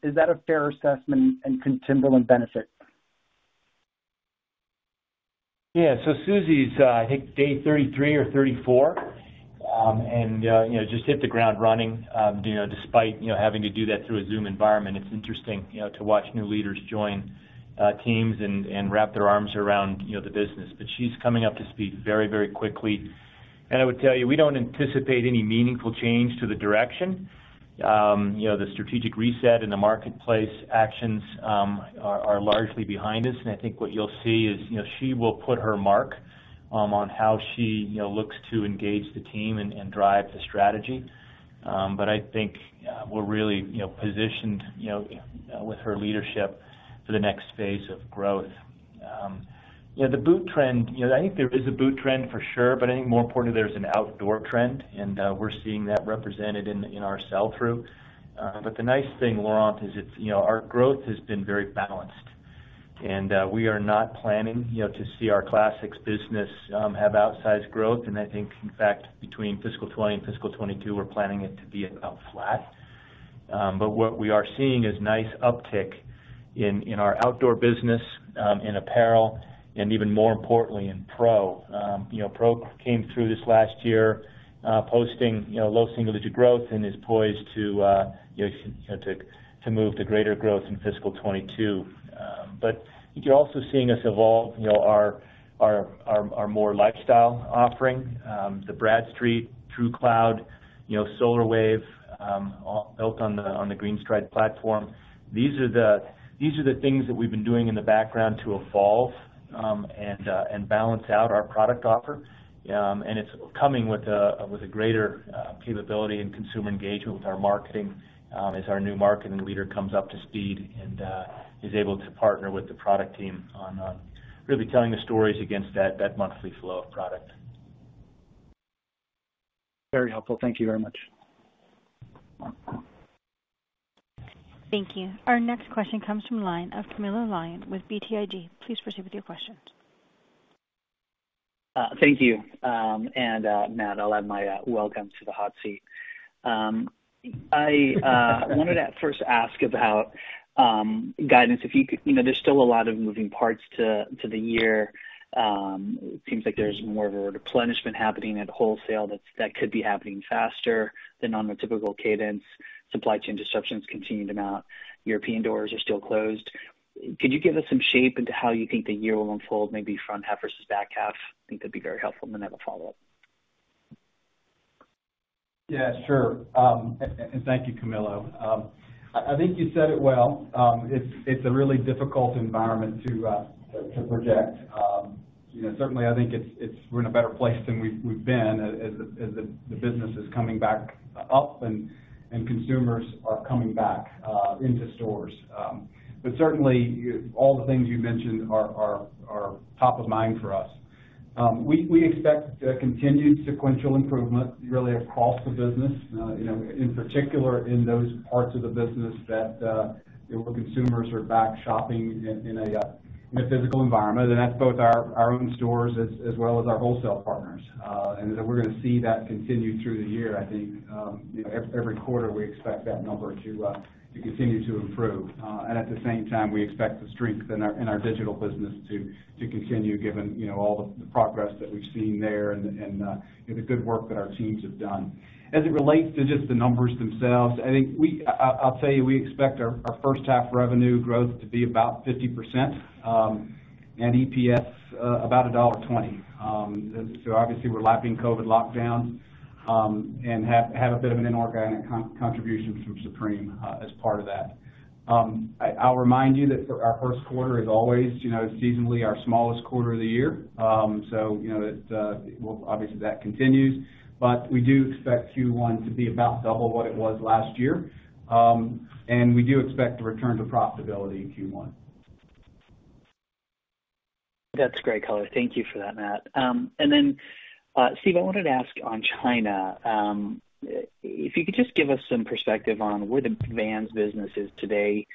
Is that a fair assessment, and can Timberland benefit? Susie's, I think, day 33 or 34, and just hit the ground running, despite having to do that through a Zoom environment. It's interesting to watch new leaders join teams and wrap their arms around the business. She's coming up to speed very quickly. I would tell you, we don't anticipate any meaningful change to the direction. The strategic reset and the marketplace actions are largely behind us, and I think what you'll see is she will put her mark on how she looks to engage the team and drive the strategy. I think we're really positioned with her leadership for the next phase of growth. The boot trend, I think there is a boot trend for sure, but I think more importantly, there's an outdoor trend, and we're seeing that represented in our sell-through. The nice thing, Laurent, is our growth has been very balanced, and we are not planning to see our classics business have outsized growth, and I think in fact, between fiscal 2020 and fiscal 2022, we're planning it to be about flat. What we are seeing is nice uptick in our outdoor business, in apparel, and even more importantly, in Pro. Pro came through this last year posting low single-digit growth and is poised to move to greater growth in fiscal 2022. You're also seeing us evolve our more lifestyle offering, the Bradstreet, TrueCloud, Solar Wave, built on the GreenStride platform. These are the things that we've been doing in the background to evolve and balance out our product offer, and it's coming with a greater capability in consumer engagement with our marketing as our new marketing leader comes up to speed and is able to partner with the product team on really telling the stories against that monthly flow of product. Very helpful. Thank you very much. Thank you. Our next question comes from the line of Camilo Lyon with BTIG. Please proceed with your question. Thank you. Matt, I'll add my welcomes to the Hot Seat. I wanted to first ask about guidance. There's still a lot of moving parts to the year. It seems like there's more of a replenishment happening at wholesale that could be happening faster than on the typical cadence. Supply chain disruptions continue to mount. European doors are still closed. Could you give us some shape into how you think the year will unfold, maybe front half versus back half? I think that'd be very helpful. Then I have a follow-up. Yeah, sure. Thank you, Camilo. I think you said it well. It's a really difficult environment to project. Certainly, I think we're in a better place than we've been as the business is coming back up and consumers are coming back into stores. Certainly, all the things you mentioned are top of mind for us. We expect continued sequential improvement really across the business, in particular in those parts of the business where consumers are back shopping in a physical environment, and that's both our own stores as well as our wholesale partners. We're going to see that continue through the year. I think every quarter we expect that number to continue to improve. At the same time, we expect the strength in our digital business to continue, given all the progress that we've seen there and the good work that our teams have done. As it relates to just the numbers themselves, I'll tell you, we expect our first half revenue growth to be about 50% and EPS about $1.20. Obviously, we're lapping COVID lockdown and have a bit of an inorganic contribution from Supreme as part of that. I'll remind you that our first quarter is always seasonally our smallest quarter of the year. Obviously that continues, but we do expect Q1 to be about double what it was last year. We do expect to return to profitability in Q1. That's great color. Thank you for that, Matt. Steve, I wanted to ask on China, if you could just give us some perspective on where the Vans business is today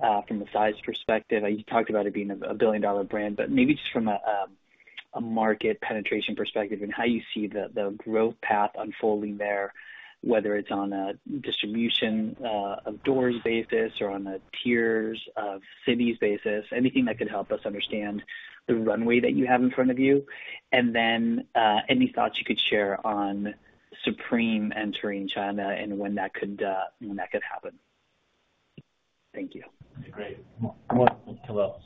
from a size perspective. You talked about it being a billion-dollar brand, but maybe just from a market penetration perspective and how you see the growth path unfolding there, whether it's on a distribution of doors basis or on a tiers of cities basis, anything that can help us understand the runway that you have in front of you. Any thoughts you could share on Supreme entering China and when that could happen. Thank you. Great. Camilo.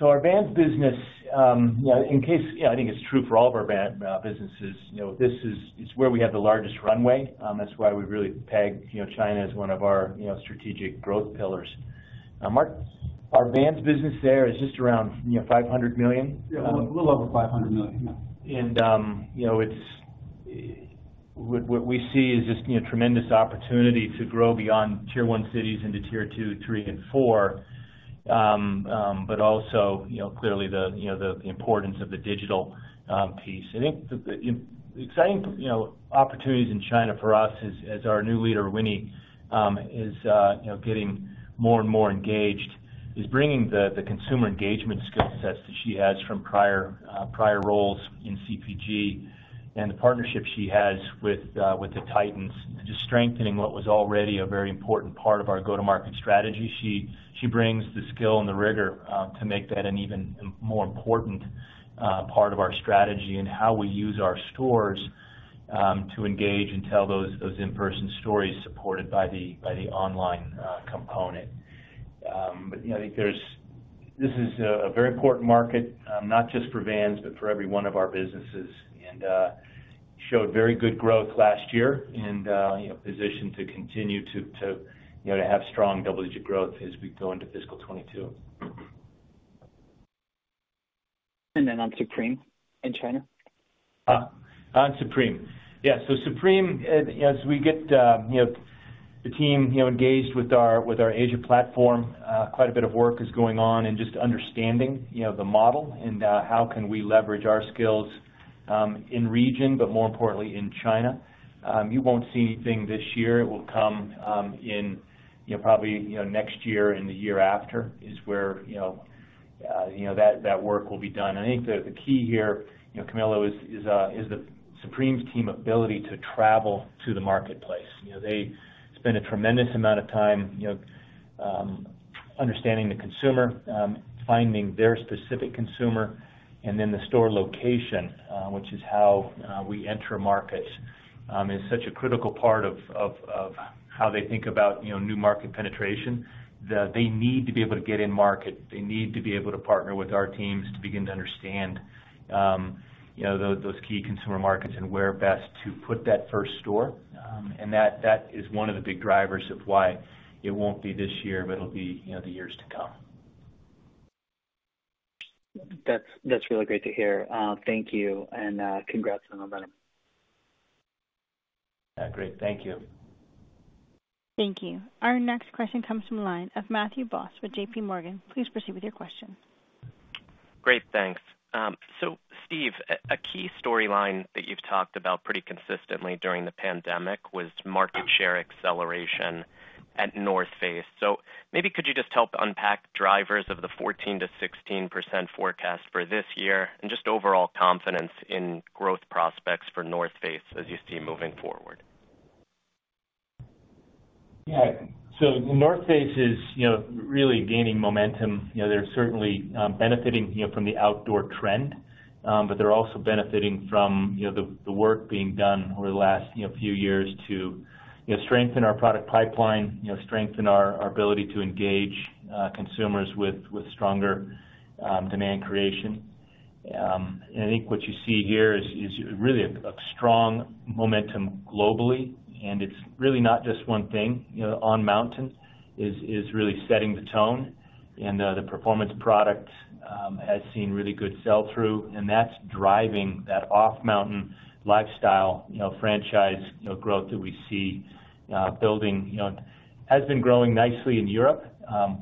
Our Vans business, in case, I think it's true for all of our businesses, this is where we have the largest runway. That's why we really peg China as one of our strategic growth pillars. Our Vans business there is just around $500 million. A little over $500 million. What we see is just tremendous opportunity to grow beyond tier 1 cities into tier 2, 3 and 4. Also, clearly the importance of the digital piece. I think the exciting opportunities in China for us as our new leader, Winnie, is getting more and more engaged, is bringing the consumer engagement skill sets that she has from prior roles in CPG and the partnerships she has with the titans to strengthening what was already a very important part of our go-to-market strategy. She brings the skill and the rigor to make that an even more important part of our strategy and how we use our stores to engage and tell those in-person stories supported by the online component. This is a very important market, not just for Vans, but for every one of our businesses, and showed very good growth last year and positioned to continue to have strong double-digit growth as we go into fiscal 2022. On Supreme in China? On Supreme. Yeah. Supreme, as we get the team engaged with our Asia platform, quite a bit of work is going on and just understanding the model and how can we leverage our skills in region, but more importantly in China. You won't see anything this year. It will come in probably next year and the year after is where that work will be done. I think the key here, Camilo, is Supreme's team ability to travel to the marketplace. They spend a tremendous amount of time understanding the consumer, finding their specific consumer, and then the store location, which is how we enter markets, is such a critical part of how they think about new market penetration, that they need to be able to get in market. They need to be able to partner with our teams to begin to understand those key consumer markets and where best to put that first store. That is one of the big drivers of why it won't be this year, but it'll be the years to come. That's really great to hear. Thank you, and congrats on the revenue. Great. Thank you. Thank you. Our next question comes from the line of Matthew Boss with JPMorgan. Please proceed with your question. Great. Thanks. Steve, a key storyline that you've talked about pretty consistently during the pandemic was market share acceleration at The North Face. Maybe could you just help unpack drivers of the 14%-16% forecast for this year and just overall confidence in growth prospects for The North Face as you see moving forward? Yeah. The North Face is really gaining momentum. They're certainly benefiting from the outdoor trend, but they're also benefiting from the work being done over the last few years to strengthen our product pipeline, strengthen our ability to engage consumers with stronger demand creation. I think what you see here is really a strong momentum globally, and it's really not just one thing. On Mountain is really setting the tone, and the performance product has seen really good sell-through, and that's driving that Off Mountain lifestyle franchise growth that we see building. It has been growing nicely in Europe.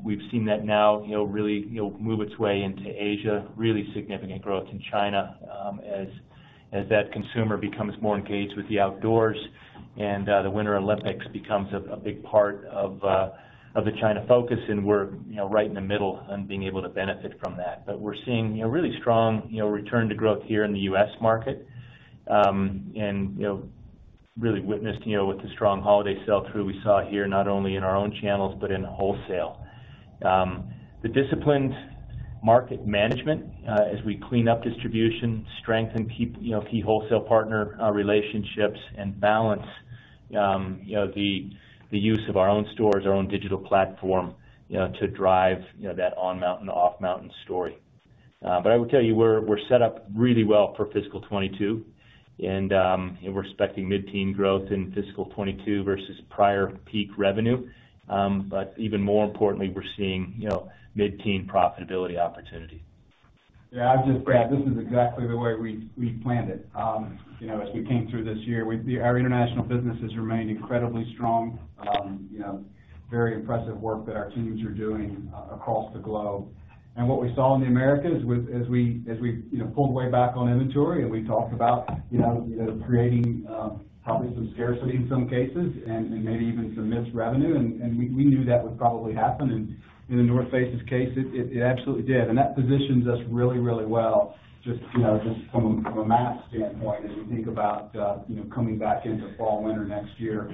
We've seen that now really move its way into Asia, really significant growth in China as that consumer becomes more engaged with the outdoors and the Winter Olympics becomes a big part of the China focus, and we're right in the middle and being able to benefit from that. We're seeing a really strong return to growth here in the US market, and really witnessing with the strong holiday sell-through we saw here, not only in our own channels but in wholesale. The disciplined market management as we clean up distribution, strengthen key wholesale partner relationships, and balance the use of our own stores, our own digital platform to drive that On Mountain and Off Mountain story. I would tell you, we're set up really well for fiscal 2022, and we're expecting mid-teen growth in fiscal 2022 versus prior peak revenue. Even more importantly, we're seeing mid-teen profitability opportunity. Yeah, I'll just add, this is exactly the way we planned it. As we came through this year, our international business has remained incredibly strong. Very impressive work that our teams are doing across the globe. What we saw in the Americas, as we pulled way back on inventory and we talked about creating probably some scarcity in some cases and maybe even some missed revenue, and we knew that would probably happen. In The North Face's case, it absolutely did, and that positions us really well just from a math standpoint as we think about coming back into fall/winter next year,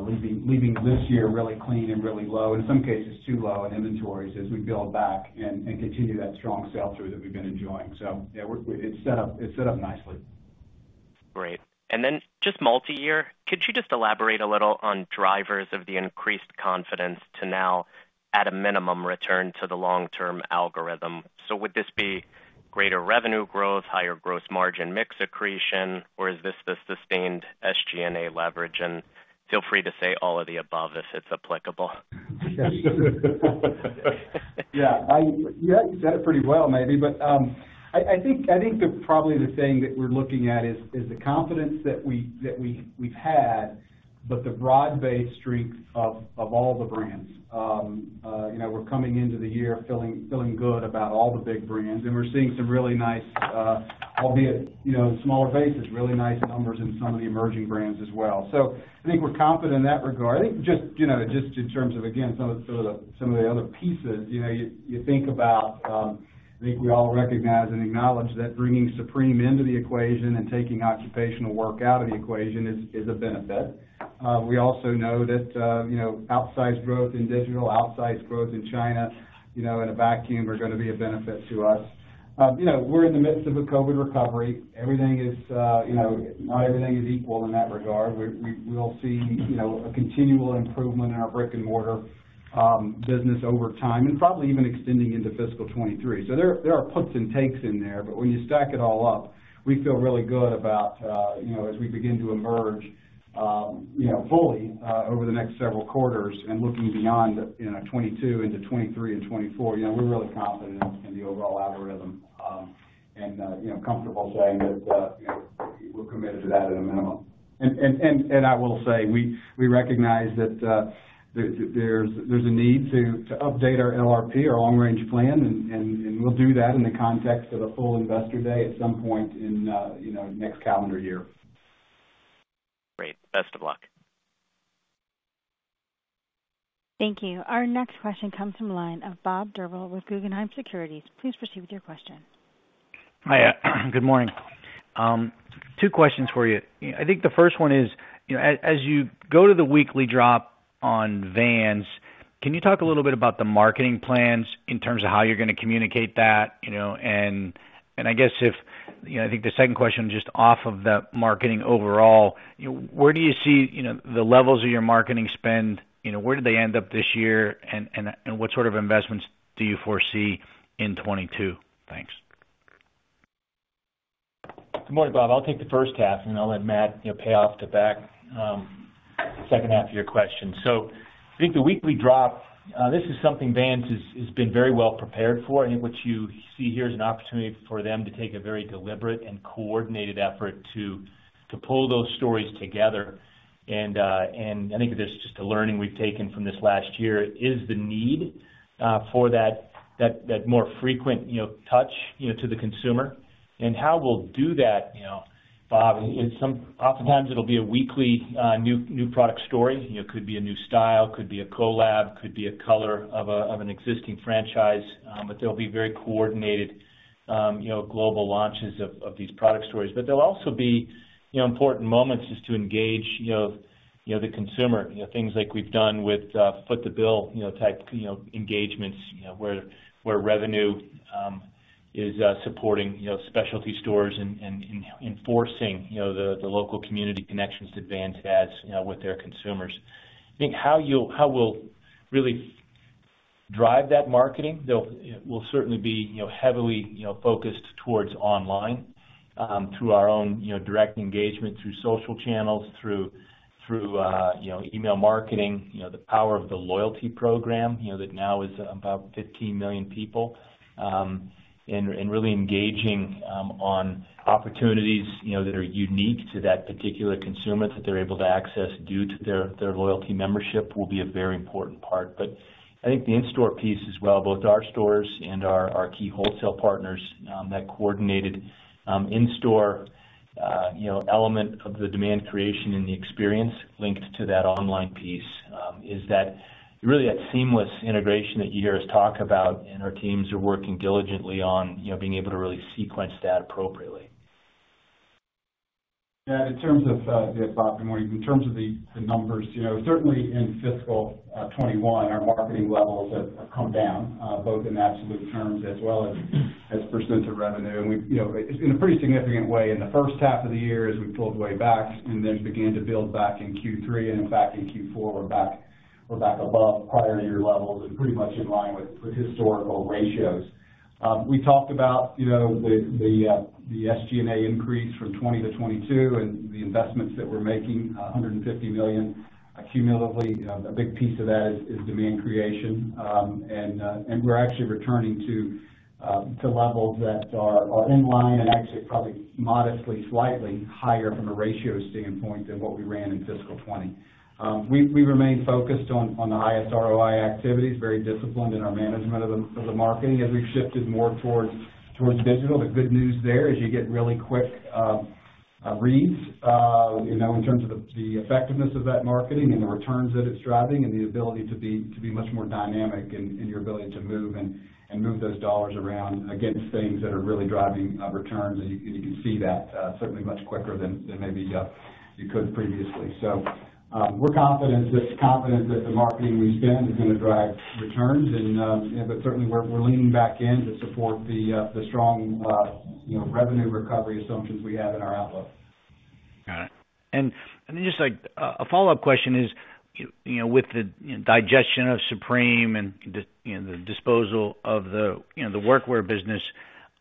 leaving this year really clean and really low, in some cases too low in inventories as we build back and continue that strong sell-through that we've been enjoying. Yeah, it's set up nicely. Great. Just multi-year, could you just elaborate a little on drivers of the increased confidence to now at a minimum return to the long-term algorithm? Would this be greater revenue growth, higher gross margin mix accretion, or is this the sustained SG&A leverage? Feel free to say all of the above if it's applicable. Yeah. You said it pretty well, maybe. I think that probably the thing that we're looking at is the confidence that we've had, but the broad-based strengths of all the brands. We're coming into the year feeling good about all the big brands, and we're seeing some really nice, albeit on a smaller basis, really nice numbers in some of the emerging brands as well. I think we're confident in that regard. Just in terms of, again, some of the other pieces, you think about, I think we all recognize and acknowledge that bringing Supreme into the equation and taking Occupational work out of the equation is a benefit. We also know that outsized growth in digital, outsized growth in China in a vacuum are going to be a benefit to us. We're in the midst of a COVID recovery. Not everything is equal in that regard. We'll see a continual improvement in our brick-and-mortar business over time, and probably even extending into fiscal 2023. There are puts and takes in there, but when you stack it all up, we feel really good about as we begin to emerge fully over the next several quarters and looking beyond 2022 into 2023 and 2024, we're really confident in the overall algorithm and comfortable saying that we're committed to that at a minimum. I will say, we recognize that there's a need to update our LRP, our long-range plan, and we'll do that in the context of a full investor day at some point in next calendar year. Great. Best of luck. Thank you. Our next question comes from the line of Bob Drbul with Guggenheim Securities. Please proceed with your question. Hi. Good morning. Two questions for you. I think the first one is, as you go to the weekly drop on Vans, can you talk a little bit about the marketing plans in terms of how you're going to communicate that? I guess, I think the second question, just off of that marketing overall, where do you see the levels of your marketing spend? Where did they end up this year, what sort of investments do you foresee in 2022? Thanks. Good morning, Bob. I'll take the first half, and I'll let Matt pay off the back second half of your question. I think the weekly drop, this is something Vans has been very well prepared for. I think what you see here is an opportunity for them to take a very deliberate and coordinated effort to pull those stories together. I think that's just a learning we've taken from this last year is the need for that more frequent touch to the consumer. Bob, oftentimes it'll be a weekly new product story. It could be a new style, could be a collab, could be a color of an existing franchise, but there'll be very coordinated global launches of these product stories. There'll also be important moments just to engage the consumer. Things like we've done with Foot the Bill, type engagements where revenue is supporting specialty stores and enforcing the local community connections that Vans has with their consumers. I think how we'll really drive that marketing, will certainly be heavily focused towards online, through our own direct engagement, through social channels, through email marketing, the power of the loyalty program, that now is about 15 million people. Really engaging on opportunities that are unique to that particular consumer, that they're able to access due to their loyalty membership will be a very important part. I think the in-store piece as well, both our stores and our key wholesale partners, that coordinated in-store element of the demand creation and the experience linked to that online piece, is that really that seamless integration that you hear us talk about and our teams are working diligently on, being able to really sequence that appropriately. In terms of the numbers, certainly in fiscal 2021, our marketing levels have come down, both in absolute terms as well as % of revenue in a pretty significant way. In the first half of the year as we pulled way back and then began to build back in Q3 and in fact in Q4 we're back above prior year levels and pretty much in line with historical ratios. We talked about the SG&A increase from 2020- 2022 and the investments that we're making, $150 million cumulatively. A big piece of that is demand creation. We're actually returning to levels that are in line and actually probably modestly slightly higher from a ratio standpoint than what we ran in fiscal 2020. We remain focused on the highest ROI activities, very disciplined in our management of the marketing as we've shifted more towards digital. The good news there is you get really quick reads in terms of the effectiveness of that marketing and the returns that it's driving and the ability to be much more dynamic in your ability to move and move those $ around against things that are really driving returns. You can see that certainly much quicker than maybe you could previously. We're confident that the marketing we spend is going to drive returns but certainly we're leaning back in to support the strong revenue recovery assumptions we have in our outlook. Got it. Just a follow-up question is, with the digestion of Supreme and the disposal of the workwear business,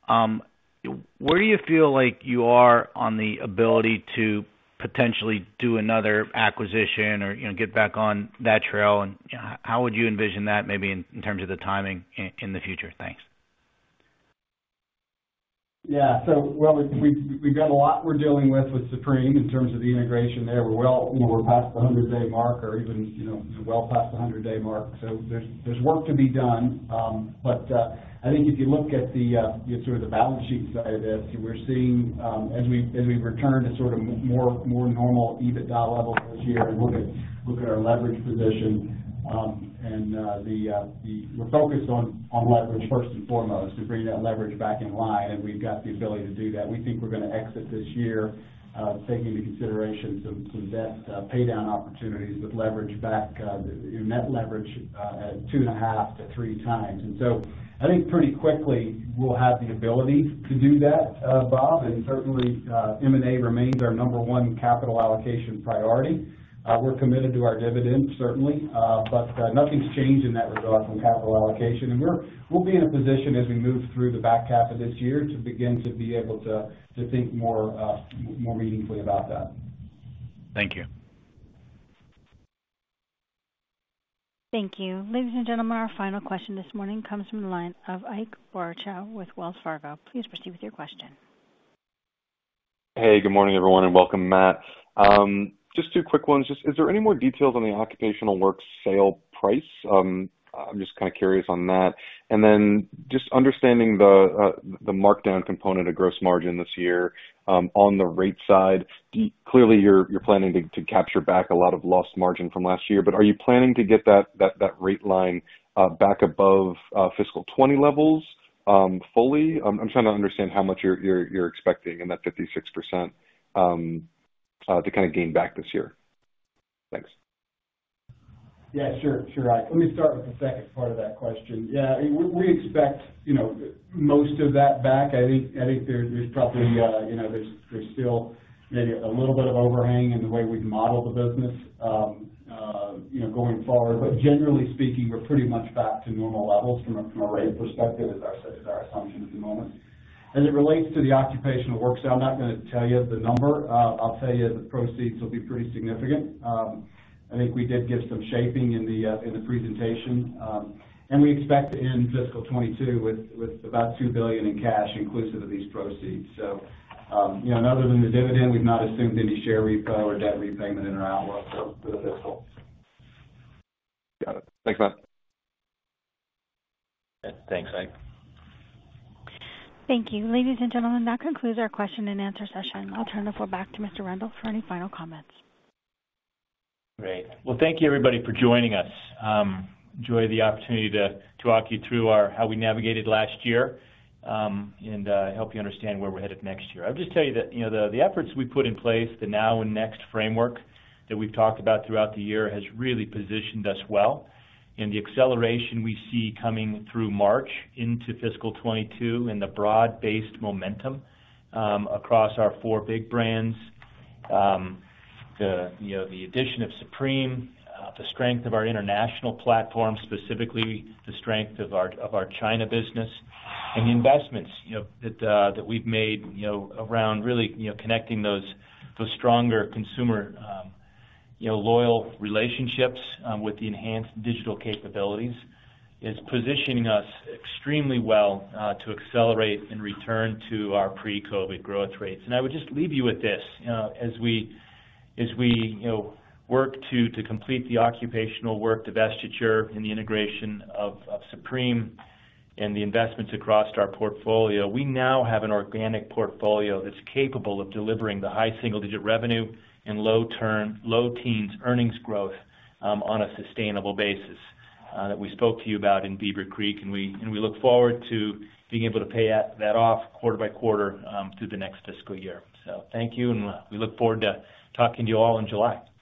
where do you feel like you are on the ability to potentially do another acquisition or get back on that trail? How would you envision that maybe in terms of the timing in the future? Thanks. Yeah. Well, we've got a lot we're dealing with Supreme in terms of the integration there. We're past the 100-day mark. There's work to be done. I think if you look at the sort of the balance sheet side of this, we're seeing as we return to sort of more normal EBITDA levels this year and look at our leverage position. We're focused on leverage first and foremost to bring that leverage back in line, and we've got the ability to do that. We think we're going to exit this year, taking into consideration some debt pay down opportunities with leverage back, net leverage at 2.5x-3x. I think pretty quickly we'll have the ability to do that, Bob, and certainly, M&A remains our number one capital allocation priority. We're committed to our dividends, certainly. Nothing's changed in that regard from capital allocation. We'll be in a position as we move through the back half of this year to begin to be able to think more meaningfully about that. Thank you. Thank you. Ladies and gentlemen, our final question this morning comes from the line of Ike Boruchow with Wells Fargo. Please proceed with your question. Hey, good morning, everyone, and welcome back. Just two quick ones. Just is there any more detail on the Occupational work sale price? I'm just kind of curious on that. Just understanding the markdown component of gross margin this year, on the rate side, clearly you're planning to capture back a lot of lost margin from last year, but are you planning to get that rate line back above fiscal 2020 levels fully? I'm trying to understand how much you're expecting in that 56% to gain back this year. Thanks. Yeah, sure, Ike. Let me start with the second part of that question. Yeah, we expect most of that back. I think there's still maybe a little bit of overhang in the way we've modeled the business going forward. Generally speaking, we're pretty much back to normal levels from a rate perspective as I said, our assumption at the moment. As it relates to the Occupational Workwear, I'm not going to tell you the number. I'll tell you the proceeds will be pretty significant. I think we did give some shaping in the presentation. We expect to end fiscal 2022 with about $2 billion in cash inclusive of these proceeds. Other than the dividend, we've not assumed any share repurchase or debt repayment in our outlook for the fiscal. Got it. Thanks, Matt. Thanks, Ike. Thank you. Ladies and gentlemen, that concludes our question and answer session. I'll turn this back to Mr. Rendle for any final comments. Great. Well, thank you everybody for joining us. Enjoy the opportunity to walk you through how we navigated last year, and help you understand where we're headed next year. I'll just tell you that the efforts we put in place, the Now and Next framework that we've talked about throughout the year has really positioned us well. The acceleration we see coming through March into fiscal 2022 and the broad-based momentum across our four big brands, the addition of Supreme, the strength of our international platform, specifically the strength of our China business and the investments that we've made around really connecting those stronger consumer loyal relationships with the enhanced digital capabilities is positioning us extremely well to accelerate and return to our pre-COVID growth rates. I would just leave you with this. As we work to complete the Occupational work divestiture and the integration of Supreme and the investments across our portfolio, we now have an organic portfolio that's capable of delivering the high single-digit revenue and low teens earnings growth on a sustainable basis that we spoke to you about in Beaver Creek. We look forward to being able to pay that off quarter by quarter through the next fiscal year. Thank you. We look forward to talking to you all in July.